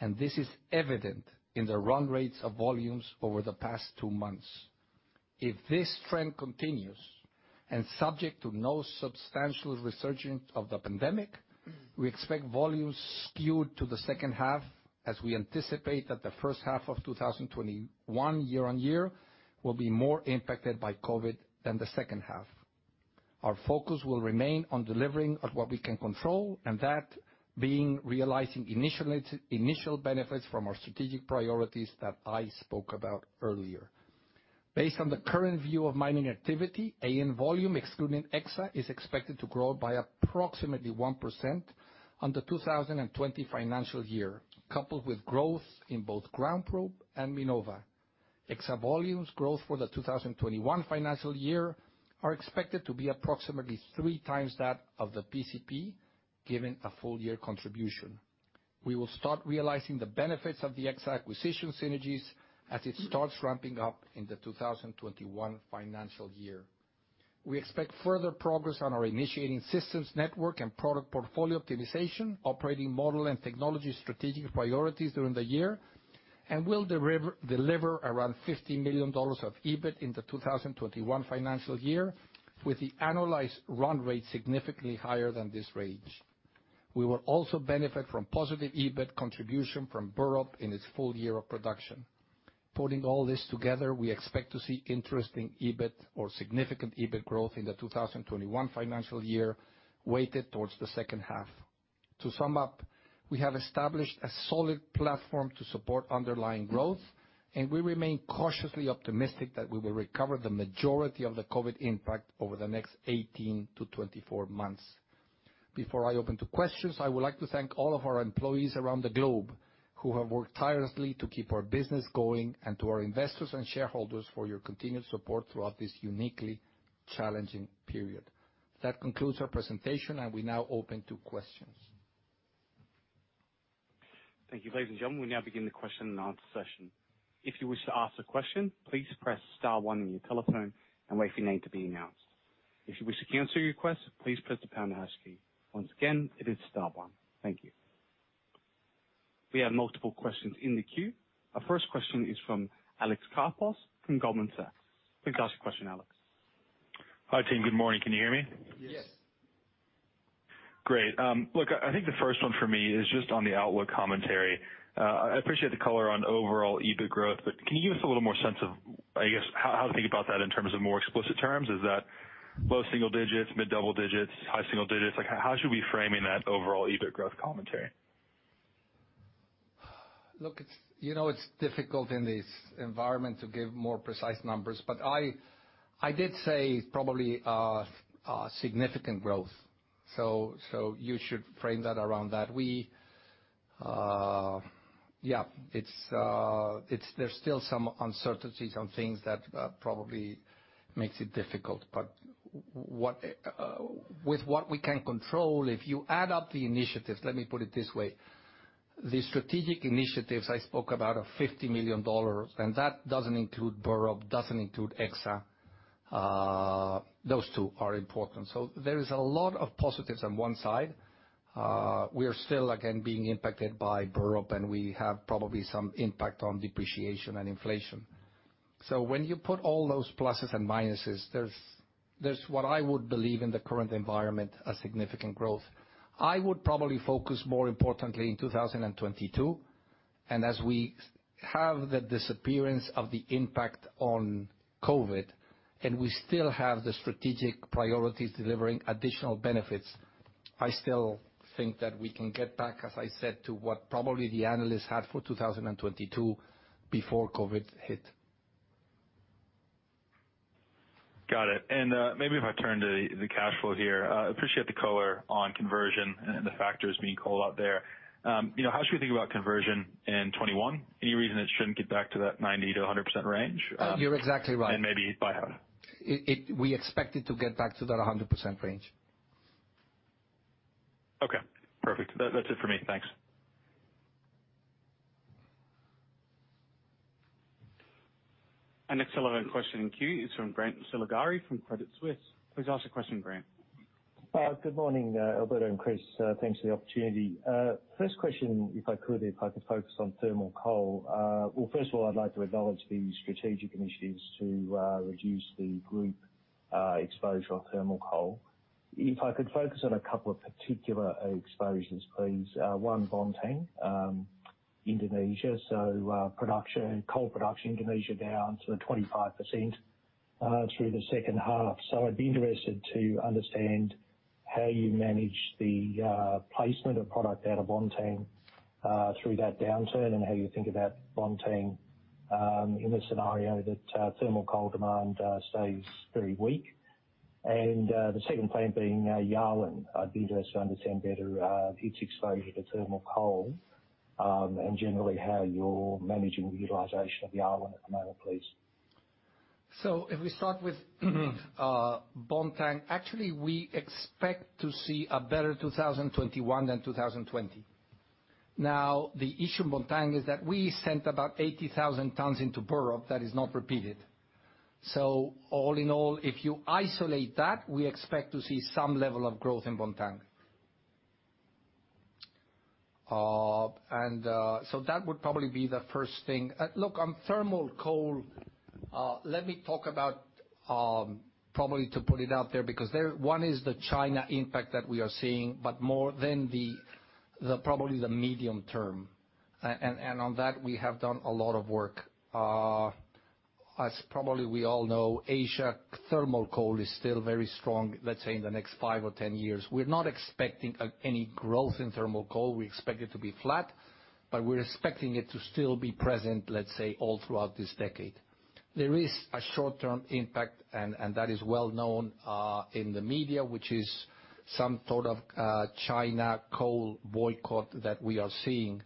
and this is evident in the run rates of volumes over the past two months. If this trend continues and subject to no substantial resurgence of the pandemic, we expect volumes skewed to the second half as we anticipate that the first half of 2021 year-on-year will be more impacted by COVID than the second half. Our focus will remain on delivering on what we can control, and that being realizing initial benefits from our strategic priorities that I spoke about earlier. Based on the current view of mining activity, AN volume, excluding Exsa, is expected to grow by approximately 1% on the 2020 financial year, coupled with growth in both GroundProbe and Minova. Exsa volumes growth for the 2021 financial year are expected to be approximately three times that of the PCP, given a full year contribution. We will start realizing the benefits of the Exsa acquisition synergies as it starts ramping up in the 2021 financial year. We expect further progress on our initiating systems network and product portfolio optimization, operating model and technology strategic priorities during the year, and will deliver around 50 million dollars of EBIT in the 2021 financial year with the annualized run rate significantly higher than this range. We will also benefit from positive EBIT contribution from Burrup in its full year of production. Putting all this together, we expect to see interesting EBIT or significant EBIT growth in the 2021 financial year, weighted towards the second half. To sum up, we have established a solid platform to support underlying growth, and we remain cautiously optimistic that we will recover the majority of the COVID impact over the next 18 to 24 months. Before I open to questions, I would like to thank all of our employees around the globe who have worked tirelessly to keep our business going, and to our investors and shareholders for your continued support throughout this uniquely challenging period. That concludes our presentation, and we now open to questions.
Thank you, ladies and gentlemen. We now begin the question and answer session. If you wish to ask a question, please press star one on your telephone and wait for your name to be announced. If you wish to cancel your request, please press the pound hash key. Once again, it is star one. Thank you. We have multiple questions in the queue. Our first question is from Alex Karpos from Goldman Sachs. Please ask your question, Alex.
Hi, team. Good morning. Can you hear me?
Yes.
Great. I think the first one for me is just on the outlook commentary. I appreciate the color on overall EBIT growth, can you give us a little more sense of, I guess, how to think about that in terms of more explicit terms? Is that low single digits, mid double digits, high single digits? How should we be framing that overall EBIT growth commentary?
It's difficult in this environment to give more precise numbers, I did say probably a significant growth. You should frame that around that. There's still some uncertainties on things that probably makes it difficult. With what we can control, if you add up the initiatives, let me put it this way. The strategic initiatives I spoke about are 50 million dollars, that doesn't include Burrup, doesn't include Exsa. Those two are important. There is a lot of positives on one side. We are still, again, being impacted by Burrup, we have probably some impact on depreciation and inflation. When you put all those pluses and minuses, there's what I would believe in the current environment, a significant growth. I would probably focus more importantly in 2022, as we have the disappearance of the impact on COVID, we still have the strategic priorities delivering additional benefits, I still think that we can get back, as I said, to what probably the analysts had for 2022 before COVID hit.
Got it. Maybe if I turn to the cash flow here, appreciate the color on conversion and the factors being called out there. How should we think about conversion in 2021? Any reason it shouldn't get back to that 90%-100% range?
You're exactly right.
Maybe by how?
We expect it to get back to that 100% range.
Okay, perfect. That's it for me. Thanks.
Our next relevant question in queue is from Grant Saligari from Credit Suisse. Please ask the question, Grant.
Good morning, Alberto and Chris. Thanks for the opportunity. First question, if I could focus on thermal coal. First of all, I'd like to acknowledge the strategic initiatives to reduce the group exposure on thermal coal. If I could focus on a couple of particular exposures, please. One, Bontang, Indonesia. Coal production, Indonesia down to 25% through the second half. I'd be interested to understand how you manage the placement of product out of Bontang through that downturn, and how you think about Bontang in the scenario that thermal coal demand stays very weak. The second plan being Yarwun. I'd be interested to understand better its exposure to thermal coal, and generally how you're managing the utilization of Yarwun at the moment, please.
If we start with Bontang, actually, we expect to see a better 2021 than 2020. The issue in Bontang is that we sent about 80,000 tons into Burrup that is not repeated. All in all, if you isolate that, we expect to see some level of growth in Bontang. That would probably be the first thing. Look, on thermal coal, let me talk about, to put it out there, because one is the China impact that we are seeing, but more than probably the medium term. On that, we have done a lot of work. Probably we all know, Asia thermal coal is still very strong, let's say, in the next 5 or 10 years. We're not expecting any growth in thermal coal. We expect it to be flat, but we're expecting it to still be present, let's say, all throughout this decade. There is a short-term impact, and that is well known in the media, which is some sort of China coal boycott that we are seeing.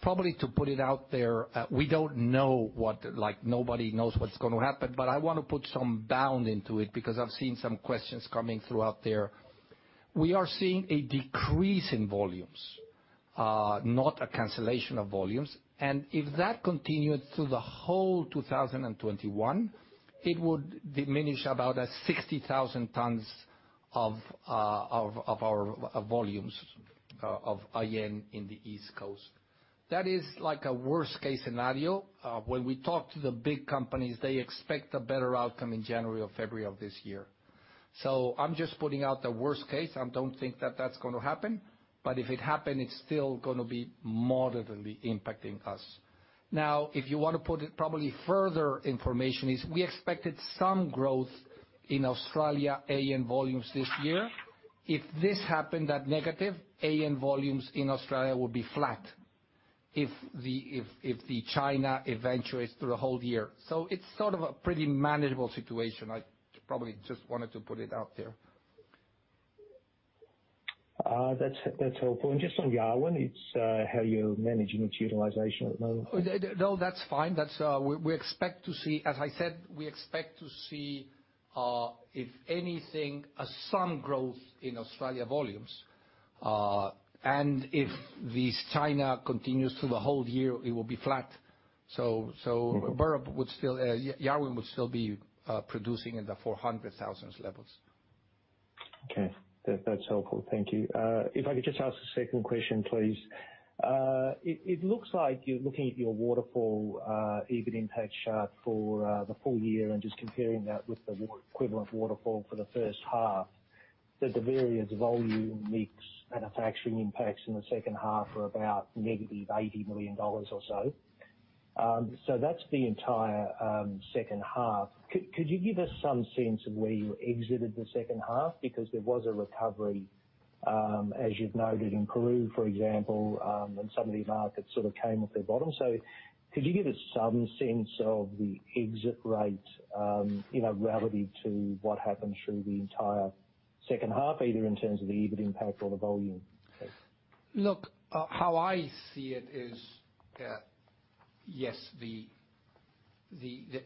Probably to put it out there, we don't know what, nobody knows what's going to happen, but I want to put some bound into it because I've seen some questions coming throughout there. We are seeing a decrease in volumes, not a cancellation of volumes. If that continued through the whole 2021, it would diminish about 60,000 tons of our volumes of AN in the East Coast. That is like a worst case scenario. When we talk to the big companies, they expect a better outcome in January or February of this year. I'm just putting out the worst case. I don't think that that's going to happen, but if it happen, it's still going to be moderately impacting us. If you want to put it probably further information is we expected some growth in Australia AN volumes this year. If this happened, that negative, AN volumes in Australia would be flat if the China eventuates through the whole year. It's sort of a pretty manageable situation. I probably just wanted to put it out there.
That's helpful. Just on Yarwun, it's how you're managing its utilization at the moment.
No, that's fine. As I said, we expect to see, if anything, some growth in Australia volumes. If this China continues through the whole year, it will be flat. Yarwun would still be producing in the 400,000 levels.
Okay. That's helpful. Thank you. If I could just ask a second question, please. It looks like you're looking at your waterfall EBIT impact chart for the full year and just comparing that with the equivalent waterfall for the first half, that the various volume mix manufacturing impacts in the second half are about negative 80 million dollars or so. That's the entire second half. Could you give us some sense of where you exited the second half? There was a recovery, as you've noted in Peru, for example, and some of these markets sort of came off their bottom. Could you give us some sense of the exit rate, relative to what happened through the entire second half, either in terms of the EBIT impact or the volume base?
Look, how I see it is, yes,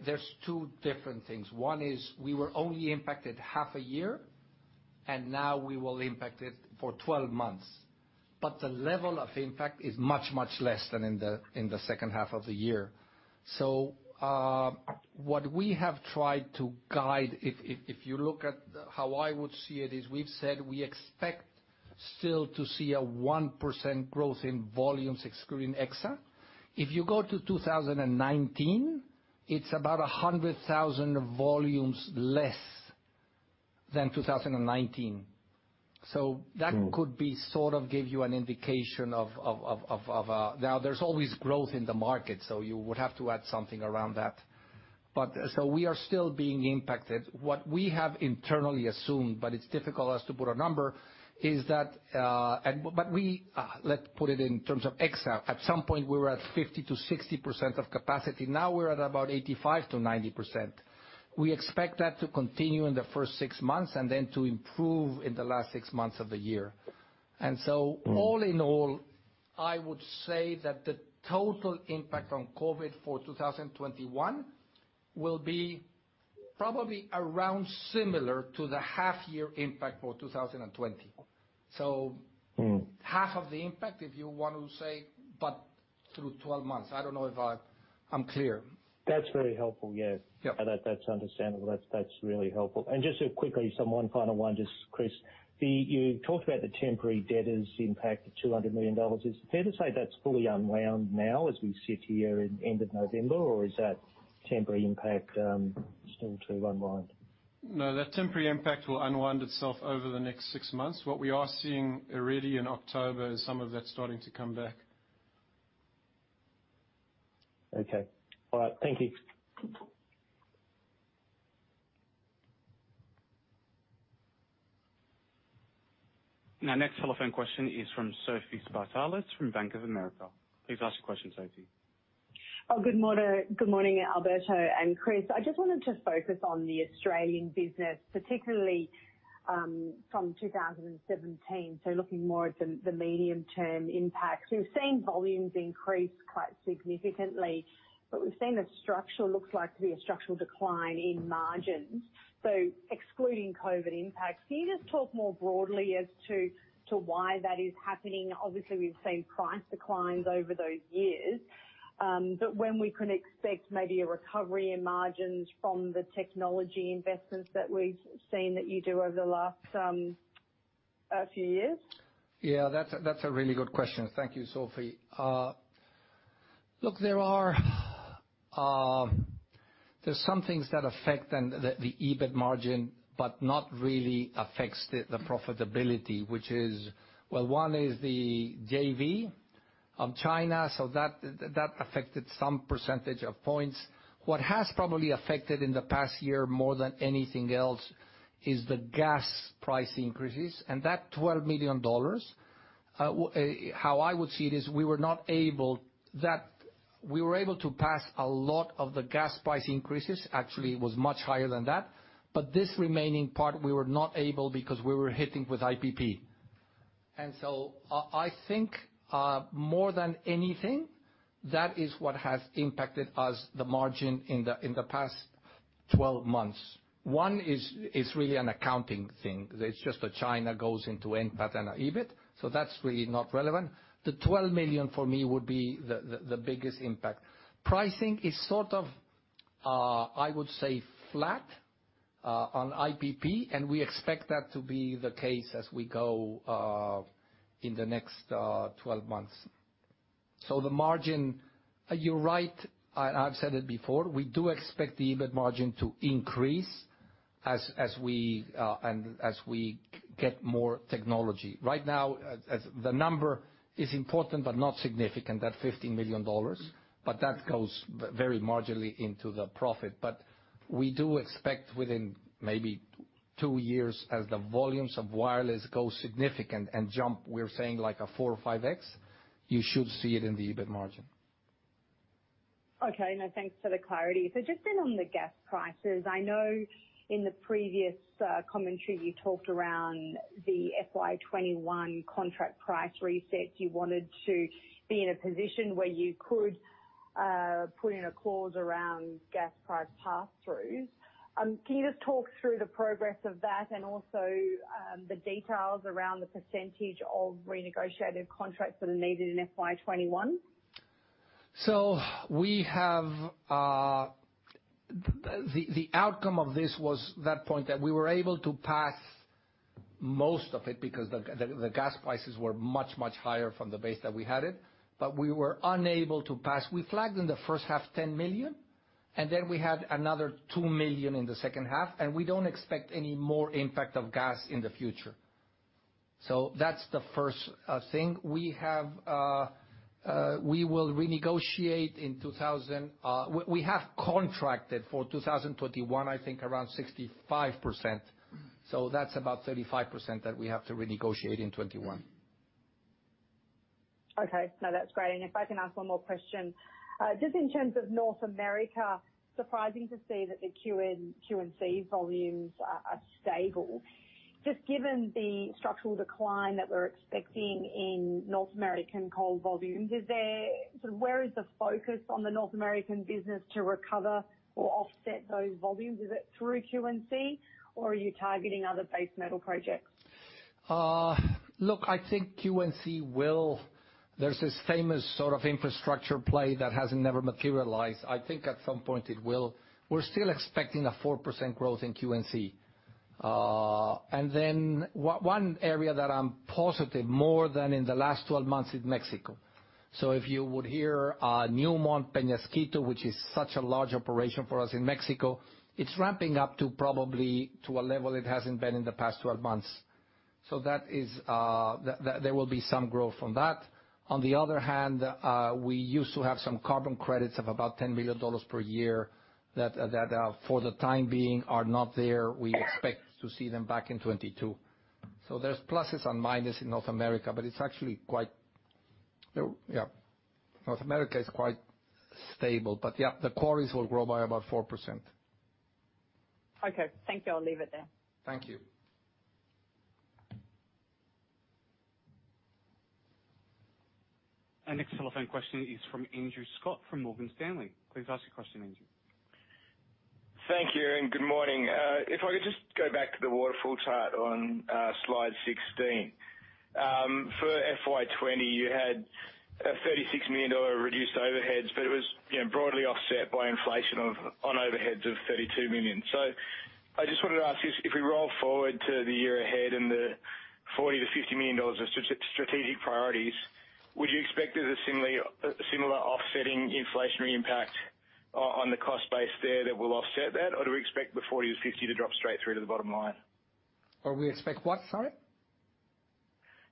there's two different things. One is we were only impacted half a year, we will impact it for 12 months. The level of impact is much, much less than in the second half of the year. What we have tried to guide, if you look at how I would see it, is we've said we expect still to see a 1% growth in volumes excluding Exsa. If you go to 2019, it's about 100,000 volumes less than 2019. That could sort of give you an indication. There's always growth in the market, you would have to add something around that. We are still being impacted. What we have internally assumed, but it's difficult as to put a number, let's put it in terms of Exsa. At some point, we were at 50%-60% of capacity. We're at about 85%-90%. We expect that to continue in the first six months, and then to improve in the last six months of the year. All in all, I would say that the total impact from COVID for 2021 will be probably around similar to the half year impact for 2020. Half of the impact, if you want to say, but through 12 months. I don't know if I'm clear.
That's very helpful. Yeah.
Yeah.
That's understandable. That's really helpful. Just quickly, one final one, Chris. You talked about the temporary debtors impact of 200 million dollars. Is it fair to say that's fully unwound now as we sit here in end of November? Or is that temporary impact still to unwind?
No, that temporary impact will unwind itself over the next six months. What we are seeing already in October is some of that starting to come back.
Okay. All right. Thank you.
Next telephone question is from Sophie Spartalis from Bank of America. Please ask your question, Sophie.
Good morning, Alberto and Chris. I just wanted to focus on the Australian business, particularly from 2017. Looking more at the medium term impacts. We've seen volumes increase quite significantly, but we've seen the structure looks like to be a structural decline in margins. Excluding COVID impacts, can you just talk more broadly as to why that is happening? Obviously, we've seen price declines over those years. But when we can expect maybe a recovery in margins from the technology investments that we've seen that you do over the last few years?
Yeah, that's a really good question. Thank you, Sophie. There's some things that affect the EBIT margin, but not really affects the profitability, which is, well, one is the JV of China. That affected some percentage points. What has probably affected in the past year more than anything else is the gas price increases, and that 12 million dollars, how I would see it is we were able to pass a lot of the gas price increases. Actually, it was much higher than that. But this remaining part, we were not able because we were hitting with IPP. I think more than anything, that is what has impacted us the margin in the past 12 months. One is really an accounting thing. It's just that China goes into NPAT and EBIT, that's really not relevant. The 12 million for me would be the biggest impact. Pricing is sort of, I would say, flat on IPP, and we expect that to be the case as we go in the next 12 months. The margin, you're right, I've said it before, we do expect the EBIT margin to increase as we get more technology. Right now, the number is important but not significant, that 15 million dollars. That goes very marginally into the profit. We do expect within maybe 2 years as the volumes of wireless go significant and jump, we are saying like a 4 or 5x, you should see it in the EBIT margin.
Okay. No, thanks for the clarity. On the gas prices, I know in the previous commentary, you talked around the FY 2021 contract price reset. You wanted to be in a position where you could, put in a clause around gas price pass-throughs. Can you just talk through the progress of that and also the details around the % of renegotiated contracts that are needed in FY 2021?
The outcome of this was that point that we were able to pass most of it because the gas prices were much, much higher from the base that we had it, but we were unable to pass. We flagged in the first half, 10 million, and then we had another 2 million in the second half, and we don't expect any more impact of gas in the future. That's the first thing. We have contracted for 2021, I think, around 65%. That's about 35% that we have to renegotiate in 2021.
Okay. No, that's great. If I can ask one more question. Just in terms of North America, surprising to see that the Q&C volumes are stable. Just given the structural decline that we're expecting in North American coal volumes, where is the focus on the North American business to recover or offset those volumes? Is it through Q&C, or are you targeting other base metal projects?
Look, I think Q&C. There's this famous sort of infrastructure play that hasn't never materialized. I think at some point it will. We're still expecting a 4% growth in Q&C. Then one area that I'm positive more than in the last 12 months is Mexico. If you would hear Newmont Peñasquito, which is such a large operation for us in Mexico, it's ramping up to probably to a level it hasn't been in the past 12 months. There will be some growth on that. On the other hand, we used to have some carbon credits of about 10 million dollars per year that for the time being are not there. We expect to see them back in 2022. There's pluses and minuses in North America, but North America is quite stable. Yeah, the quarries will grow by about 4%.
Okay. Thank you. I'll leave it there.
Thank you.
Our next telephone question is from Andrew Scott from Morgan Stanley. Please ask your question, Andrew.
Thank you, good morning. If I could just go back to the waterfall chart on slide 16. For FY 2020, you had a AUD 36 million reduced overheads, it was broadly offset by inflation on overheads of AUD 32 million. I just wanted to ask you, if we roll forward to the year ahead and the AUD 40 million-AUD 50 million of strategic priorities, would you expect there is a similar offsetting inflationary impact on the cost base there that will offset that, or do we expect the 40-50 to drop straight through to the bottom line?
We expect what, sorry?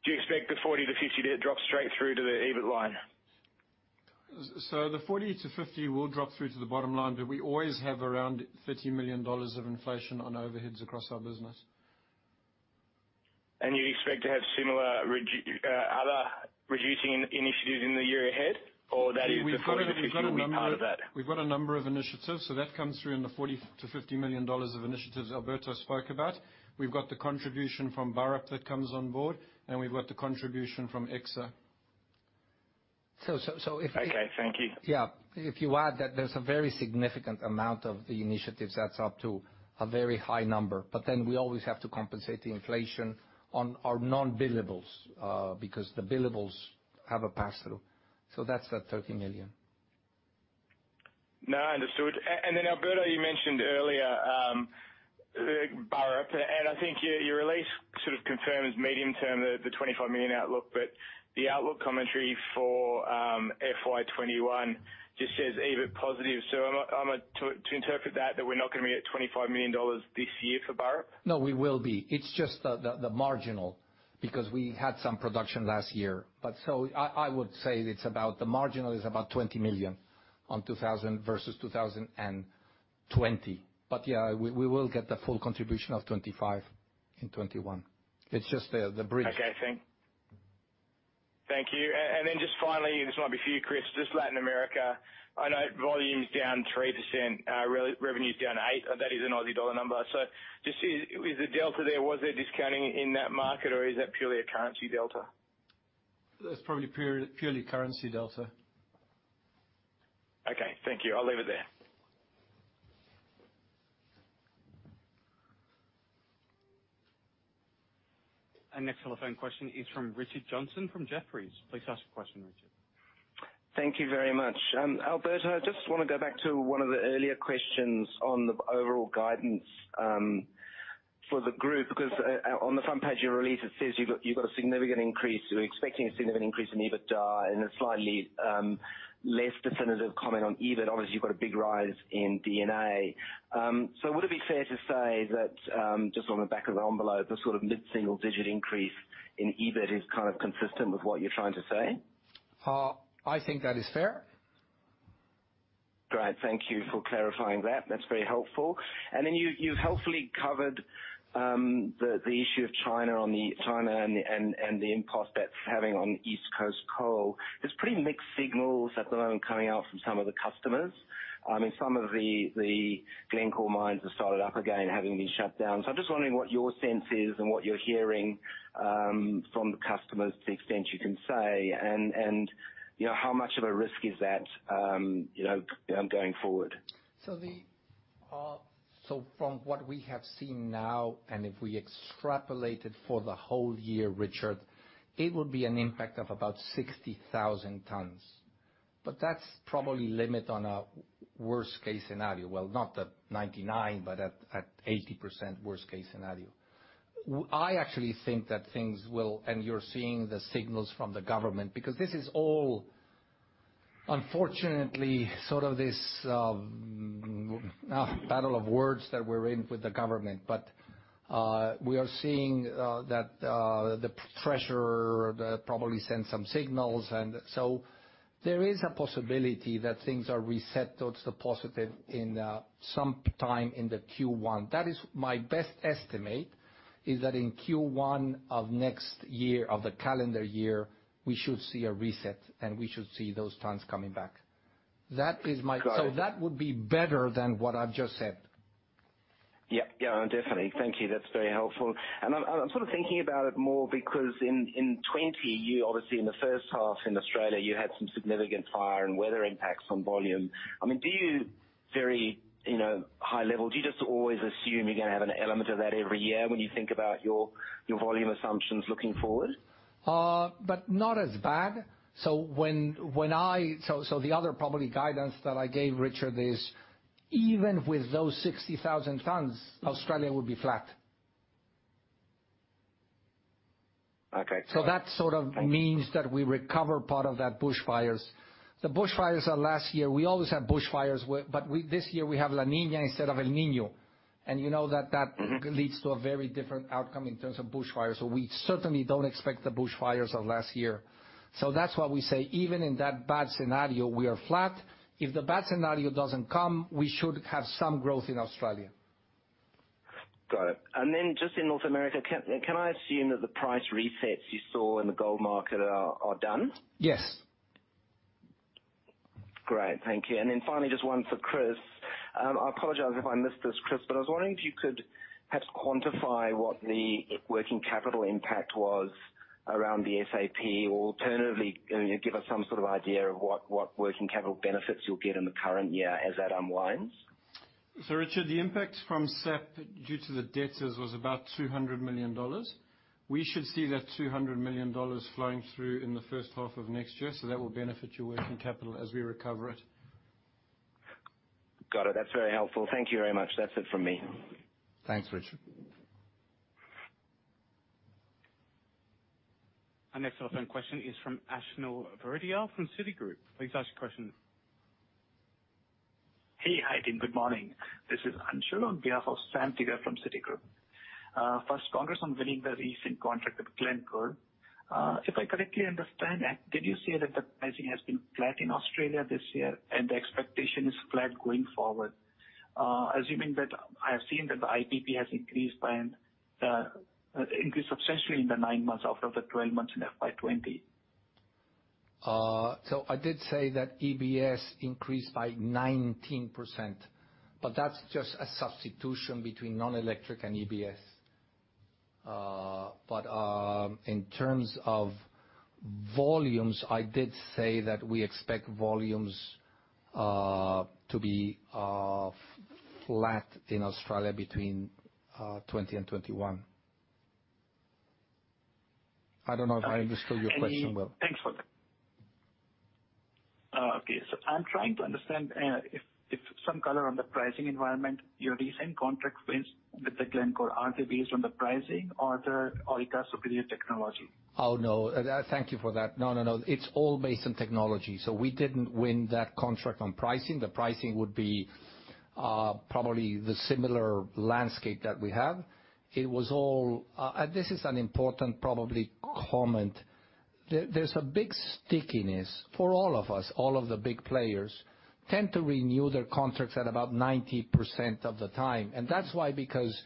Do you expect the 40-50 to drop straight through to the EBIT line?
The 40-50 will drop through to the bottom line, we always have around 30 million dollars of inflation on overheads across our business.
You expect to have other reducing initiatives in the year ahead, or that is-
We've got a number of-
The 40 to 50 will be part of that.
We've got a number of initiatives. That comes through in the 40 million-50 million dollars of initiatives Alberto spoke about. We've got the contribution from Burrup that comes on board, and we've got the contribution from Exsa.
So if-
Okay, thank you.
Yeah. If you add that, there's a very significant amount of the initiatives that's up to a very high number. We always have to compensate the inflation on our non-billables, because the billables have a pass-through. That's that 30 million.
No, understood. Alberto, you mentioned earlier, Burrup, and I think your release sort of confirms medium-term, the 25 million outlook, but the outlook commentary for FY 2021 just says EBIT positive. To interpret that we're not going to be at 25 million dollars this year for Burrup?
No, we will be. It's just the marginal, because we had some production last year. I would say the marginal is about 20 million versus 2020. Yeah, we will get the full contribution of 25 in 2021. It's just the bridge.
Okay, thank you. Just finally, this might be for you, Chris, just Latin America. I know volume's down 3%, revenue's down 8%. That is an AUD number. Just is the delta there, was there discounting in that market, or is that purely a currency delta?
That's probably purely currency delta.
Okay, thank you. I'll leave it there.
Our next telephone question is from Richard Johnson from Jefferies. Please ask your question, Richard.
Thank you very much. Alberto, I just want to go back to one of the earlier questions on the overall guidance for the group, because on the front page of your release, it says you're expecting a significant increase in EBITDA and a slightly less definitive comment on EBIT. Obviously, you've got a big rise in D&A. Would it be fair to say that, just on the back of the envelope, a sort of mid-single digit increase in EBIT is kind of consistent with what you're trying to say?
I think that is fair.
Great. Thank you for clarifying that. That's very helpful. You helpfully covered the issue of China and the impact that's having on the East Coast coal. There's pretty mixed signals at the moment coming out from some of the customers. Some of the Glencore mines have started up again, having been shut down. I'm just wondering what your sense is and what you're hearing from the customers to the extent you can say, and how much of a risk is that going forward.
From what we have seen now, and if we extrapolate it for the whole year, Richard, it would be an impact of about 60,000 tonnes. That's probably limit on a worst-case scenario. Well, not at 99, but at 80% worst case scenario. I actually think that things will, and you're seeing the signals from the government, because this is all, unfortunately, sort of this battle of words that we're in with the government. We are seeing that the treasurer probably send some signals, and so there is a possibility that things are reset towards the positive in some time in the Q1. That is my best estimate, is that in Q1 of next year, of the calendar year, we should see a reset, and we should see those tonnes coming back.
Got it.
That would be better than what I've just said.
Yeah. Definitely. Thank you. That's very helpful. I'm sort of thinking about it more because in 2020, you obviously in the first half in Australia, you had some significant fire and weather impacts on volume. Do you very high level, do you just always assume you're going to have an element of that every year when you think about your volume assumptions looking forward?
Not as bad. The other probably guidance that I gave, Richard, is even with those 60,000 tonnes, Australia would be flat.
Okay.
That sort of means that we recover part of that bushfires. The bushfires are last year. We always have bushfires, but this year we have La Niña instead of El Niño. You know that that leads to a very different outcome in terms of bushfires. We certainly don't expect the bushfires of last year. That's why we say even in that bad scenario, we are flat. If the bad scenario doesn't come, we should have some growth in Australia.
Got it. Just in North America, can I assume that the price resets you saw in the gold market are done?
Yes.
Great, thank you. Finally, just one for Chris. I apologize if I missed this, Chris, but I was wondering if you could perhaps quantify what the working capital impact was around the SAP, or alternatively, give us some sort of idea of what working capital benefits you'll get in the current year as that unwinds.
Richard, the impact from SAP due to the debtors was about 200 million dollars. We should see that 200 million dollars flowing through in the first half of next year, that will benefit your working capital as we recover it.
Got it. That's very helpful. Thank you very much. That's it from me.
Thanks, Richard.
Our next telephone question is from Anshul Verdal from Citigroup. Please ask your question.
Hey. Hi, team. Good morning. This is Anshul on behalf of Sameer Joshi from Citigroup. First, congrats on winning the recent contract with Glencore. If I correctly understand, did you say that the pricing has been flat in Australia this year and the expectation is flat going forward? Assuming that I have seen that the IPP has increased substantially in the nine months after the 12 months in FY 2020.
I did say that EBS increased by 19%, that's just a substitution between non-electric and EBS. In terms of volumes, I did say that we expect volumes to be flat in Australia between 2020 and 2021. I don't know if I understood your question well.
Thanks for that. Okay. I'm trying to understand if some color on the pricing environment, your recent contract wins with the Glencore, are they based on the pricing or Orica superior technology?
Oh, no. Thank you for that. No, no. It's all based on technology. We didn't win that contract on pricing. The pricing would be probably the similar landscape that we have. This is an important, probably comment. There's a big stickiness for all of us. All of the big players tend to renew their contracts at about 90% of the time. That's why because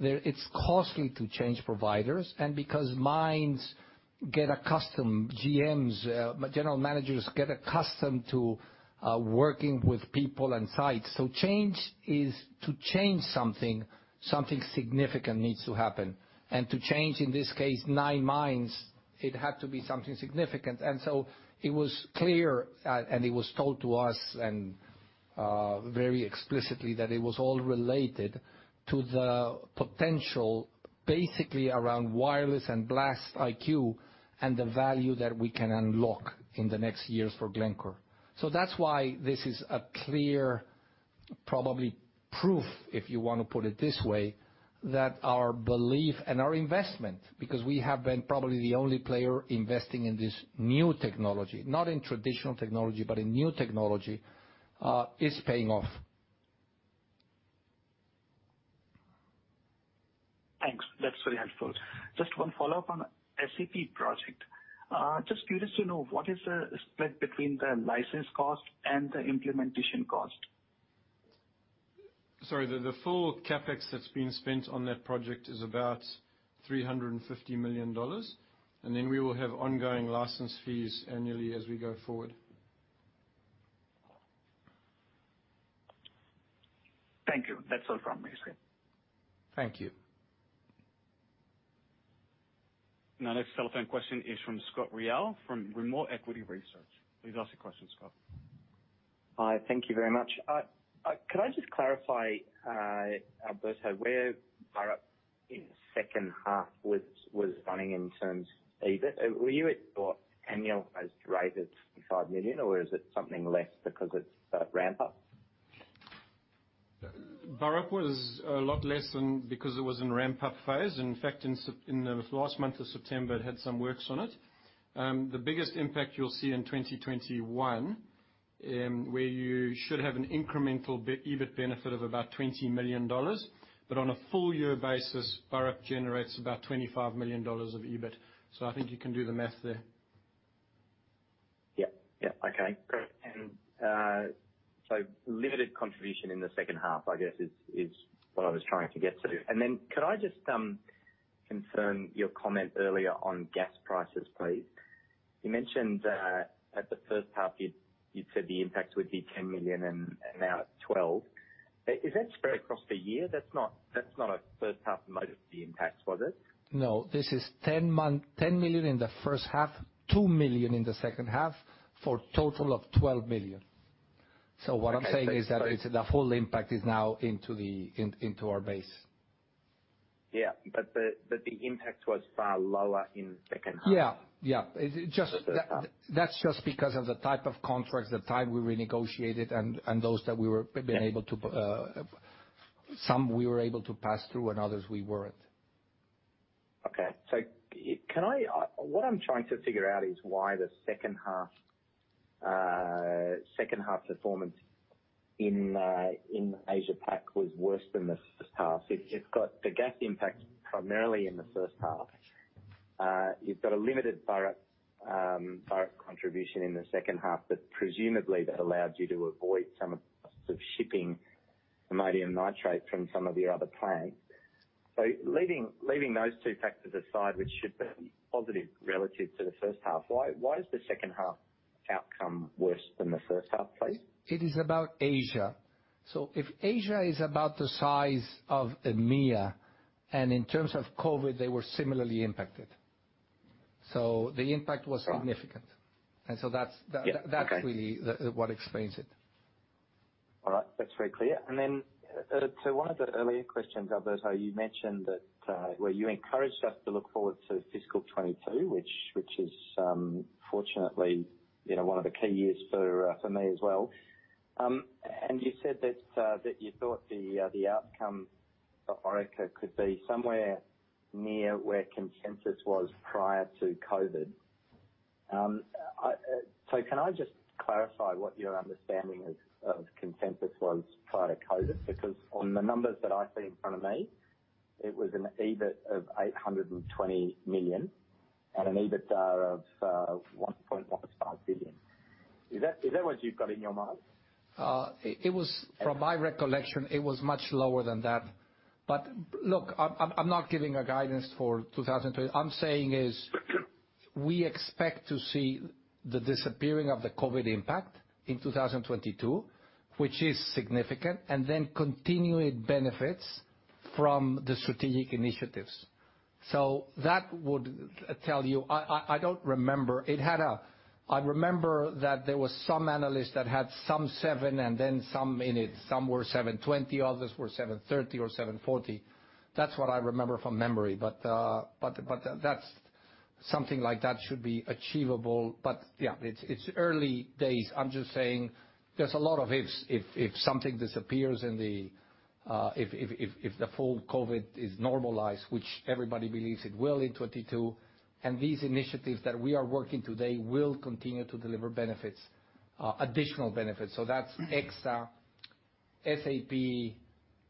it's costly to change providers and because mines get accustomed, GMs, general managers, get accustomed to working with people and sites. To change something significant needs to happen. To change, in this case, nine mines, it had to be something significant. It was clear, and it was told to us and very explicitly, that it was all related to the potential basically around wireless and BlastIQ and the value that we can unlock in the next years for Glencore. That's why this is a clear, probably proof, if you want to put it this way, that our belief and our investment, because we have been probably the only player investing in this new technology, not in traditional technology, but in new technology is paying off.
Just one follow-up on SAP project. Just curious to know, what is the spread between the license cost and the implementation cost?
Sorry, the full CapEx that's been spent on that project is about 350 million dollars. Then we will have ongoing license fees annually as we go forward.
Thank you. That's all from me, Steve.
Thank you.
Next telephone question is from Scott Ryall from Rimor Equity Research. Please ask the question, Scott.
Hi. Thank you very much. Could I just clarify, Alberto, where Burrup in the second half was running in terms of EBIT? Were you at what annualized rate of 25 million, or is it something less because it's ramp-up?
Burrup was a lot less than, because it was in ramp-up phase. In fact, in the last month of September, it had some works on it. The biggest impact you'll see in 2021, where you should have an incremental EBIT benefit of about 20 million dollars. On a full year basis, Burrup generates about 25 million dollars of EBIT. I think you can do the math there.
Yeah. Okay, great. Limited contribution in the second half, I guess, is what I was trying to get to.
Yeah.
Could I just confirm your comment earlier on gas prices, please? You mentioned that at the first half you'd said the impact would be 10 million and now it's 12 million. Is that spread across the year? That's not a first half impact, was it?
No, this is 10 million in the first half, 2 million in the second half, for total of 12 million.
Okay.
What I'm saying is that the full impact is now into our base.
Yeah, the impact was far lower in second half.
Yeah.
The first half.
That's just because of the type of contracts, the time we renegotiated and those that we were able to. Some we were able to pass through and others we weren't.
Okay. What I'm trying to figure out is why the second half performance in Asia Pac was worse than the first half. It's got the gas impact primarily in the first half. You've got a limited Burrup contribution in the second half, but presumably that allowed you to avoid some of the costs of shipping ammonium nitrate from some of your other plants. Leaving those two factors aside, which should be positive relative to the first half, why is the second half outcome worse than the first half, please?
It is about Asia. If Asia is about the size of EMEA, and in terms of COVID, they were similarly impacted. The impact was significant.
Oh, okay.
That's really what explains it.
All right. That's very clear. Then to one of the earlier questions, Alberto, you mentioned that where you encouraged us to look forward to fiscal 2022, which is fortunately one of the key years for me as well. You said that you thought the outcome for Orica could be somewhere near where consensus was prior to COVID. Can I just clarify what your understanding of consensus was prior to COVID? Because on the numbers that I see in front of me, it was an EBIT of 820 million and an EBITDA of 1.15 billion. Is that what you've got in your mind?
From my recollection, it was much lower than that. Look, I'm not giving a guidance for 2020. I'm saying we expect to see the disappearing of the COVID impact in 2022, which is significant, and then continuing benefits from the strategic initiatives. That would tell you. I don't remember. I remember that there was some analyst that had some seven and then some in it. Some were 720, others were 730 or 740. That's what I remember from memory. Something like that should be achievable. Yeah, it's early days. I'm just saying there's a lot of ifs. If something disappears, if the full COVID is normalized, which everybody believes it will in 2022, and these initiatives that we are working today will continue to deliver additional benefits. That's Exsa, SAP,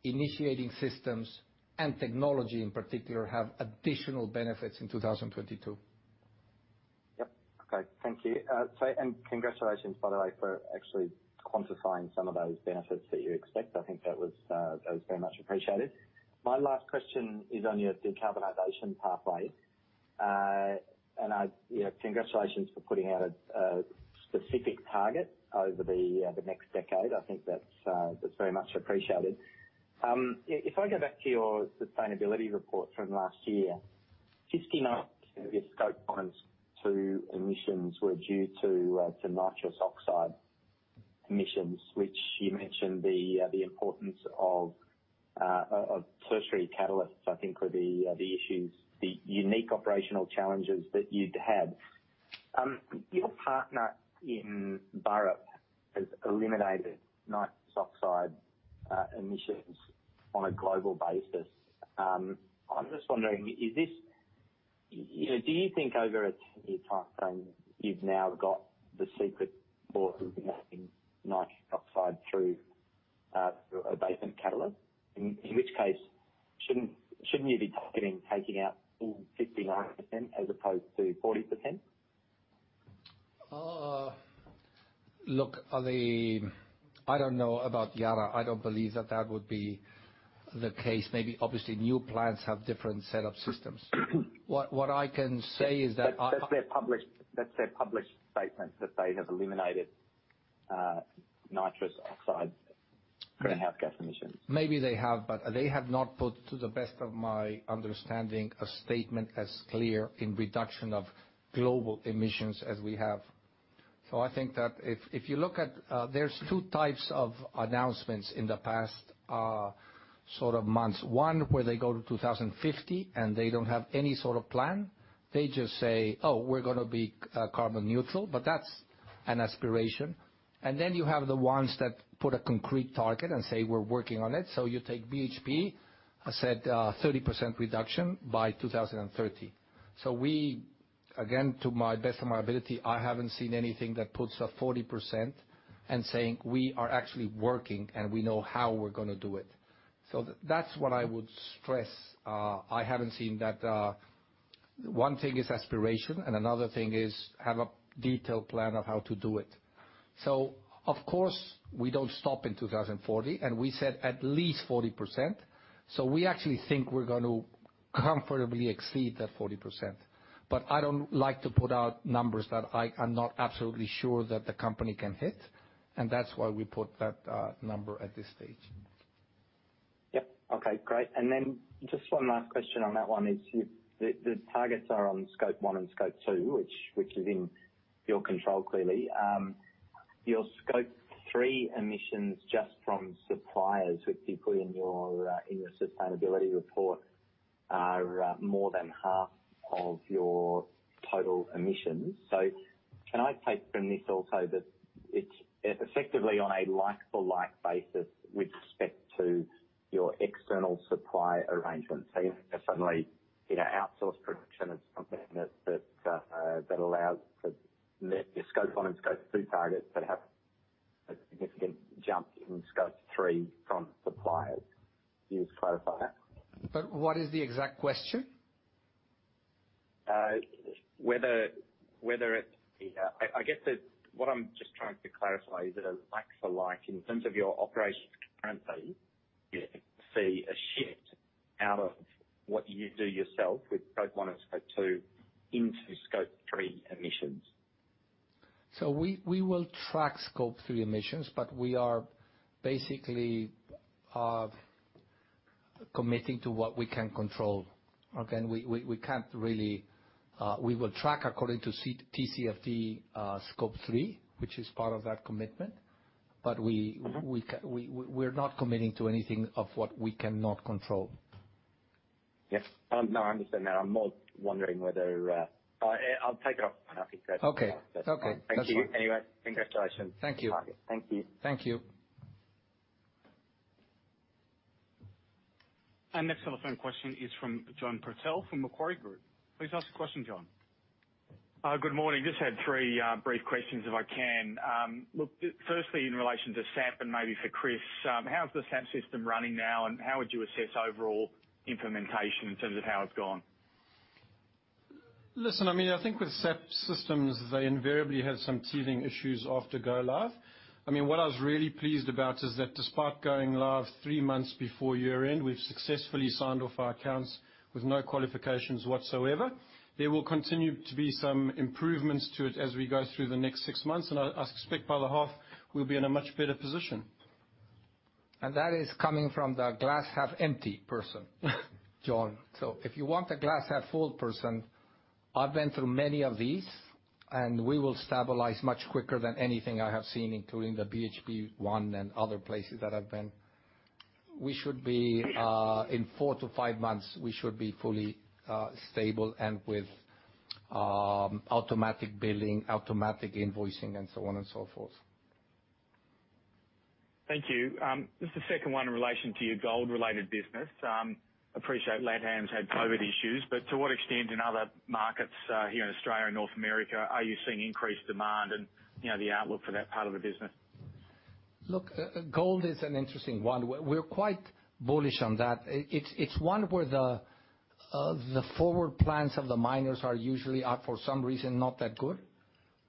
initiating systems, and technology in particular have additional benefits in 2022.
Yep. Okay. Thank you. Congratulations, by the way, for actually quantifying some of those benefits that you expect. I think that was very much appreciated. My last question is on your decarbonization pathway. Congratulations for putting out a specific target over the next decade. I think that's very much appreciated. If I go back to your sustainability report from last year, 59% of your Scope 1 emissions were due to nitrous oxide emissions, which you mentioned the importance of tertiary catalysts, I think were the issues, the unique operational challenges that you'd had. Your partner in Burrup has eliminated nitrous oxide emissions on a global basis. I'm just wondering, is this? Do you think over a 10-year timeframe, you've now got the secret sauce of making nitrous oxide through an abatement catalyst? In which case, shouldn't you be targeting taking out full 59% as opposed to 40%?
Look, I don't know about Yara. I don't believe that that would be the case. Maybe obviously new plants have different setup systems. What I can say is that.
That's their published statement, that they have eliminated nitrous oxide greenhouse gas emissions.
Maybe they have, but they have not put, to the best of my understanding, a statement as clear in reduction of global emissions as we have. I think that if you look at, there's two types of announcements in the past sort of months. One, where they go to 2050 and they don't have any sort of plan. They just say, "Oh, we're gonna be carbon neutral," but that's an aspiration. You have the ones that put a concrete target and say, "We're working on it." You take BHP, said 30% reduction by 2030. We, again, to my best of my ability, I haven't seen anything that puts a 40% and saying, "We are actually working, and we know how we're gonna do it." That's what I would stress. I haven't seen that. One thing is aspiration, and another thing is have a detailed plan of how to do it. Of course, we don't stop in 2040, and we said at least 40%. We actually think we're going to comfortably exceed that 40%. I don't like to put out numbers that I am not absolutely sure that the company can hit, and that's why we put that number at this stage.
Yep. Okay, great. Just one last question on that one is, the targets are on Scope 1 and Scope 2, which is in your control clearly. Your Scope 3 emissions just from suppliers, which you put in your sustainability report, are more than half of your total emissions. Can I take from this also that it's effectively on a like-for-like basis with respect to your external supply arrangements? You don't suddenly outsource production of something that allows for net Scope 1 and Scope 2 targets that have a significant jump in Scope 3 from suppliers. Can you just clarify that?
What is the exact question?
I guess what I'm just trying to clarify is it a like for like in terms of your operations currently, you see a shift out of what you do yourself with Scope 1 and Scope 2 into Scope 3 emissions?
We will track Scope 3 emissions, but we are basically committing to what we can control. Okay? We will track according to TCFD Scope 3, which is part of that commitment. We're not committing to anything of what we cannot control.
Yes. No, I understand that. I'm more wondering whether I'll take it up. I think that.
Okay. That's fine.
Thank you anyway. Congratulations.
Thank you.
Thank you.
Thank you.
Our next telephone question is from John Purtell from Macquarie Group. Please ask the question, John.
Good morning. Just had three brief questions, if I can. Look, firstly in relation to SAP and maybe for Chris, how's the SAP system running now and how would you assess overall implementation in terms of how it's gone?
Listen, I think with SAP systems, they invariably have some teething issues after go live. What I was really pleased about is that despite going live three months before year-end, we've successfully signed off our accounts with no qualifications whatsoever. There will continue to be some improvements to it as we go through the next six months, and I expect by the half we'll be in a much better position.
That is coming from the glass half empty person John. If you want the glass half full person, I've been through many of these, and we will stabilize much quicker than anything I have seen, including the BHP one and other places that I've been. In four to five months, we should be fully stable and with automatic billing, automatic invoicing, and so on and so forth.
Thank you. Just a second one in relation to your gold-related business. Appreciate LatAm's had COVID issues, but to what extent in other markets here in Australia and North America are you seeing increased demand and the outlook for that part of the business?
Gold is an interesting one. We're quite bullish on that. It's one where the forward plans of the miners are usually, for some reason, not that good.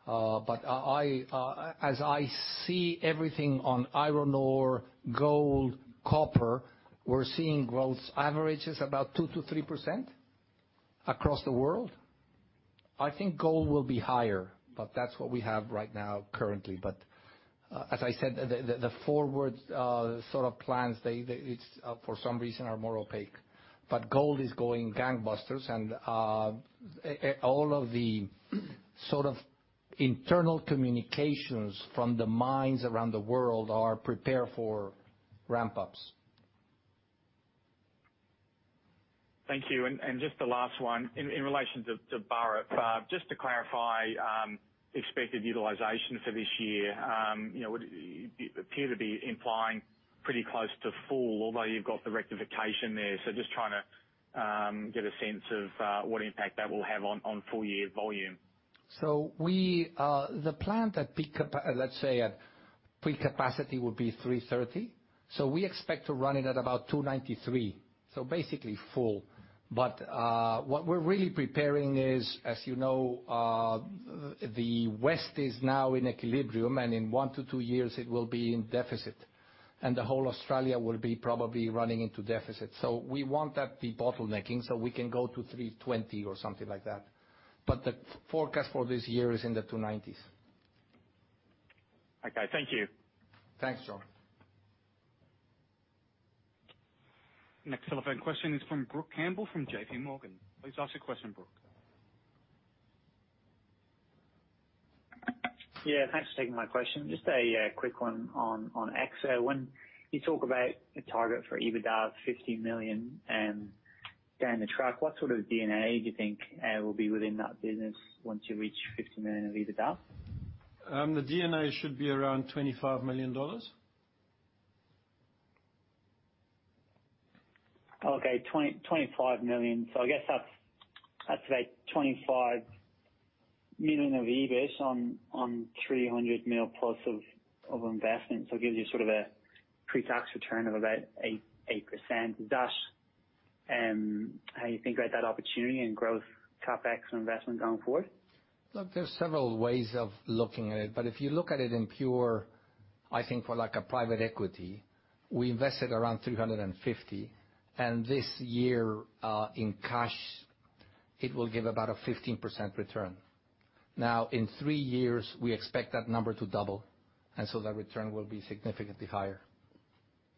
As I see everything on iron ore, gold, copper, we're seeing growth averages about 2%-3% across the world. I think gold will be higher, but that's what we have right now currently. As I said, the forward sort of plans, for some reason, are more opaque. Gold is going gangbusters and all of the sort of internal communications from the mines around the world are prepared for ramp-ups.
Thank you. Just the last one in relation to Burrup. Just to clarify expected utilization for this year. It appear to be implying pretty close to full, although you've got the rectification there. Just trying to get a sense of what impact that will have on full-year volume.
The plant at, let's say, at pre-capacity would be 330. We expect to run it at about 293, basically full. What we're really preparing is, as you know, the West is now in equilibrium, and in one to two years it will be in deficit, and the whole Australia will be probably running into deficit. We want that de-bottlenecking so we can go to 320 or something like that. The forecast for this year is in the 290s.
Okay. Thank you.
Thanks, John.
Next telephone question is from Brook Campbell from JPMorgan. Please ask the question, Brooke.
Yeah. Thanks for taking my question. Just a quick one on Exsa. When you talk about a target for EBITDA of 50 million and down the track, what sort of D&A do you think will be within that business once you reach 50 million of EBITDA?
The D&A should be around 25 million dollars.
Okay. 25 million. I guess that's about 25 million of EBIT on 300 million plus of investment. It gives you sort of a pre-tax return of about 8%. Is that how you think about that opportunity and growth CapEx and investment going forward?
Look, there's several ways of looking at it. If you look at it in pure, I think for like a private equity, we invested around 350 million, and this year, in cash, it will give about a 15% return. In three years, we expect that number to double, that return will be significantly higher.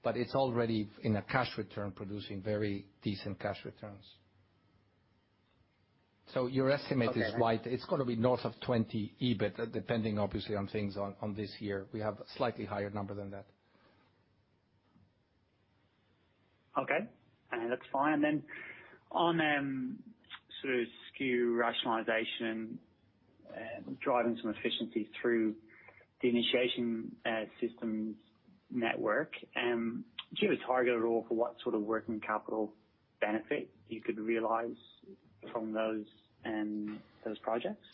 It's already in a cash return, producing very decent cash returns. Your estimate is wide. It's got to be north of 20 EBIT, depending obviously on things on this year. We have a slightly higher number than that.
Okay. That's fine. Then on sort of SKU rationalization and driving some efficiency through the initiation systems network, do you have a target at all for what sort of working capital benefit you could realize from those projects?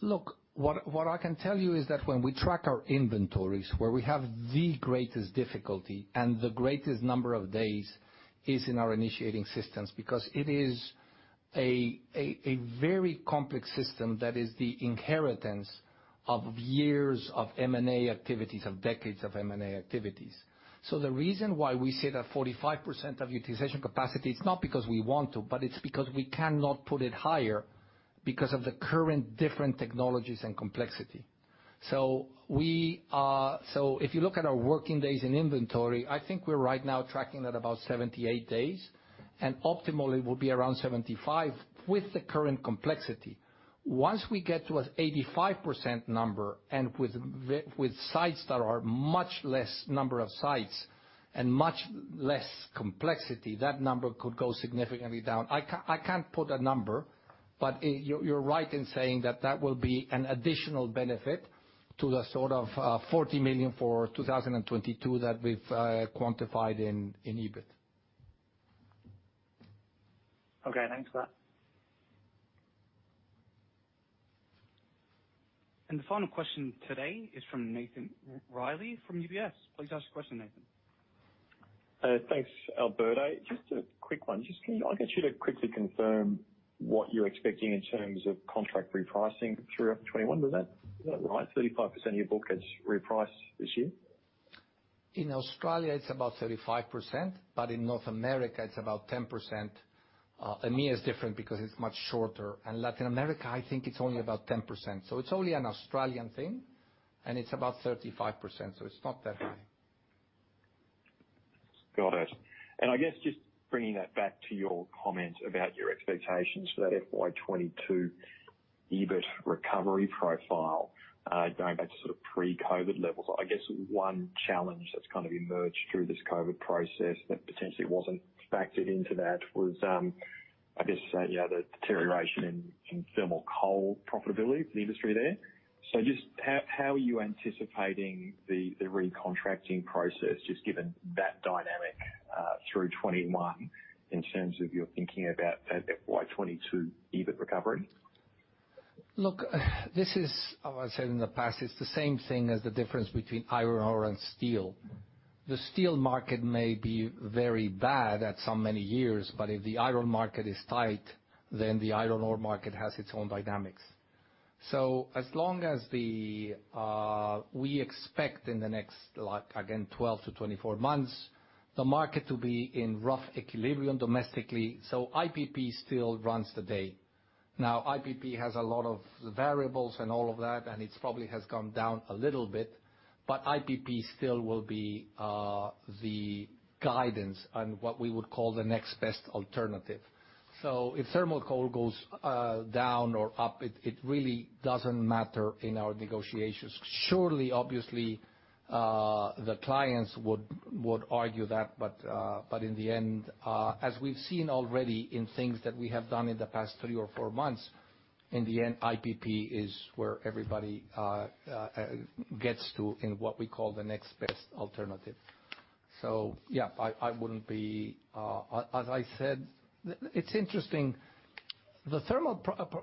Look, what I can tell you is that when we track our inventories, where we have the greatest difficulty and the greatest number of days is in our initiating systems. It is a very complex system that is the inheritance of years of M&A activities, of decades of M&A activities. The reason why we say that 45% of utilization capacity is not because we want to, but it's because we cannot put it higher because of the current different technologies and complexity. If you look at our working days in inventory, I think we're right now tracking at about 78 days, and optimally we'll be around 75 with the current complexity. Once we get to an 85% number and with sites that are much less number of sites and much less complexity, that number could go significantly down. I can't put a number, but you're right in saying that that will be an additional benefit to the sort of 40 million for 2022 that we've quantified in EBIT.
Okay. Thanks for that.
The final question today is from Nathan Reilly from UBS. Please ask the question, Nathan.
Thanks, Alberto. Just a quick one. Can I get you to quickly confirm what you're expecting in terms of contract repricing through 2021? Was that right? 35% of your book is repriced this year?
In Australia it's about 35%, in North America it's about 10%. EMEA is different because it's much shorter. Latin America, I think it's only about 10%. It's only an Australian thing, it's about 35%, so it's not that high.
Got it. I guess just bringing that back to your comment about your expectations for that FY 2022 EBIT recovery profile, going back to sort of pre-COVID levels. I guess one challenge that's kind of emerged through this COVID process that potentially wasn't factored into that was, I guess the deterioration in thermal coal profitability for the industry there. Just how are you anticipating the recontracting process, just given that dynamic through 2021 in terms of your thinking about that FY 2022 EBIT recovery?
This is, as I said in the past, it is the same thing as the difference between iron ore and steel. The steel market may be very bad at so many years, if the iron market is tight, the iron ore market has its own dynamics. As long as we expect in the next, again, 12-24 months, the market to be in rough equilibrium domestically. IPP still runs the day. IPP has a lot of variables and all of that, it probably has gone down a little bit, IPP still will be the guidance on what we would call the next best alternative. If thermal coal goes down or up, it really doesn't matter in our negotiations. Surely, obviously, the clients would argue that, in the end, as we have seen already in things that we have done in the past three or four months, in the end, IPP is where everybody gets to in what we call the next best alternative. Yeah, as I said, it is interesting. The thermal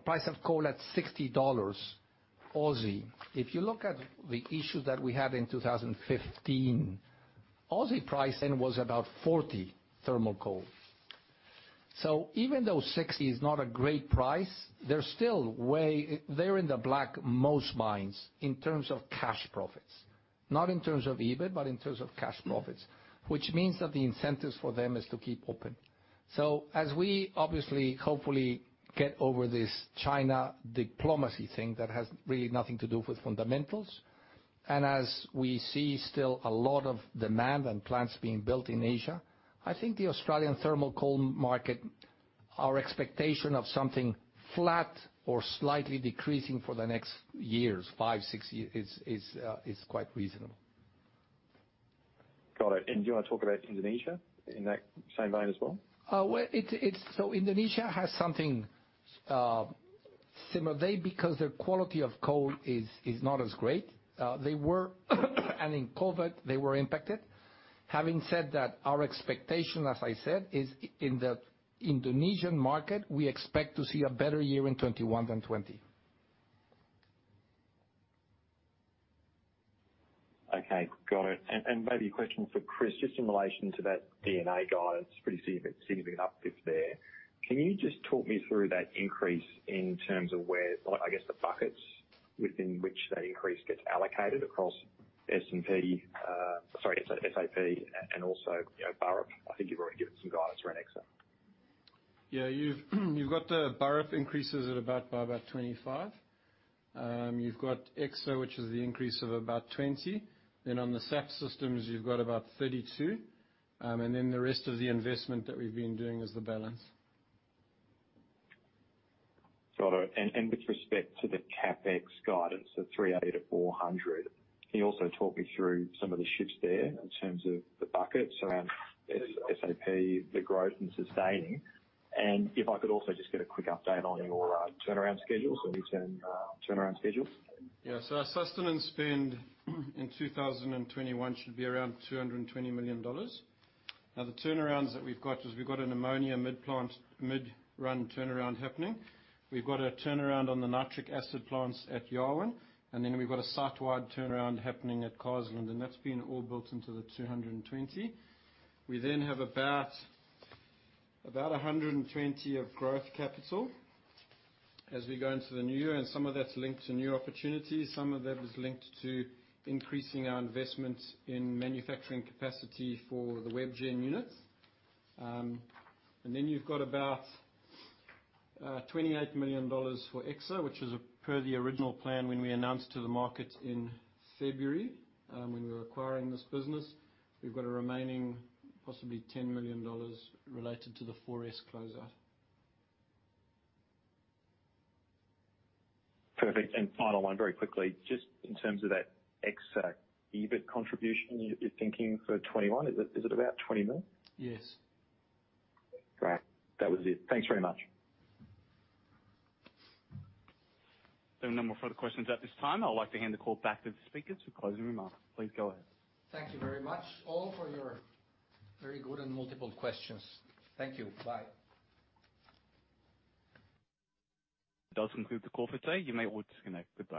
price of coal at 60 Aussie dollars, if you look at the issue that we had in 2015, AUD price then was about 40 thermal coal. Even though 60 is not a great price, they are in the black most mines in terms of cash profits. Not in terms of EBIT, in terms of cash profits. Which means that the incentives for them is to keep open. As we obviously, hopefully, get over this China diplomacy thing that has really nothing to do with fundamentals, as we see still a lot of demand and plants being built in Asia, I think the Australian thermal coal market, our expectation of something flat or slightly decreasing for the next years, five, six years, is quite reasonable.
Got it. Do you want to talk about Indonesia in that same vein as well?
Indonesia has something similar. They, because their quality of coal is not as great. In COVID they were impacted. Having said that, our expectation, as I said, is in the Indonesian market, we expect to see a better year in 2021 than 2020.
Okay. Got it. Maybe a question for Chris, just in relation to that D&A guidance, pretty significant uplift there. Can you just talk me through that increase in terms of where, I guess the buckets within which that increase gets allocated across SAP and also Burrup? I think you've already given some guidance for Exsa.
You've got the Burrup increases by about 25 million. You've got Exsa, which is the increase of about 20 million. On the SAP systems, you've got about 32 million. The rest of the investment that we've been doing is the balance.
Got it. With respect to the CapEx guidance of 380 million-400 million, can you also talk me through some of the shifts there in terms of the buckets around SAP, the growth and sustaining? If I could also just get a quick update on your turnaround schedules or return turnaround schedules.
Our sustenance spend in 2021 should be around 220 million dollars. The turnarounds that we've got is we've got an ammonia mid-run turnaround happening. We've got a turnaround on the nitric acid plants at Yarwun, and then we've got a site-wide turnaround happening at Carseland, and that's been all built into the 220 million. We then have about 120 million of growth capital as we go into the new year, and some of that's linked to new opportunities. Some of that is linked to increasing our investment in manufacturing capacity for the WebGen units. You've got about 28 million dollars for Exsa, which is per the original plan when we announced to the market in February, when we were acquiring this business. We've got a remaining possibly 10 million dollars related to the Forest closeout.
Perfect. Final one very quickly, just in terms of that Exsa EBIT contribution you're thinking for 2021, is it about 20 million?
Yes.
Great. That was it. Thanks very much.
There are no more further questions at this time. I would like to hand the call back to the speakers for closing remarks. Please go ahead.
Thank you very much all for your very good and multiple questions. Thank you. Bye.
That does conclude the call for today. You may all disconnect. Goodbye.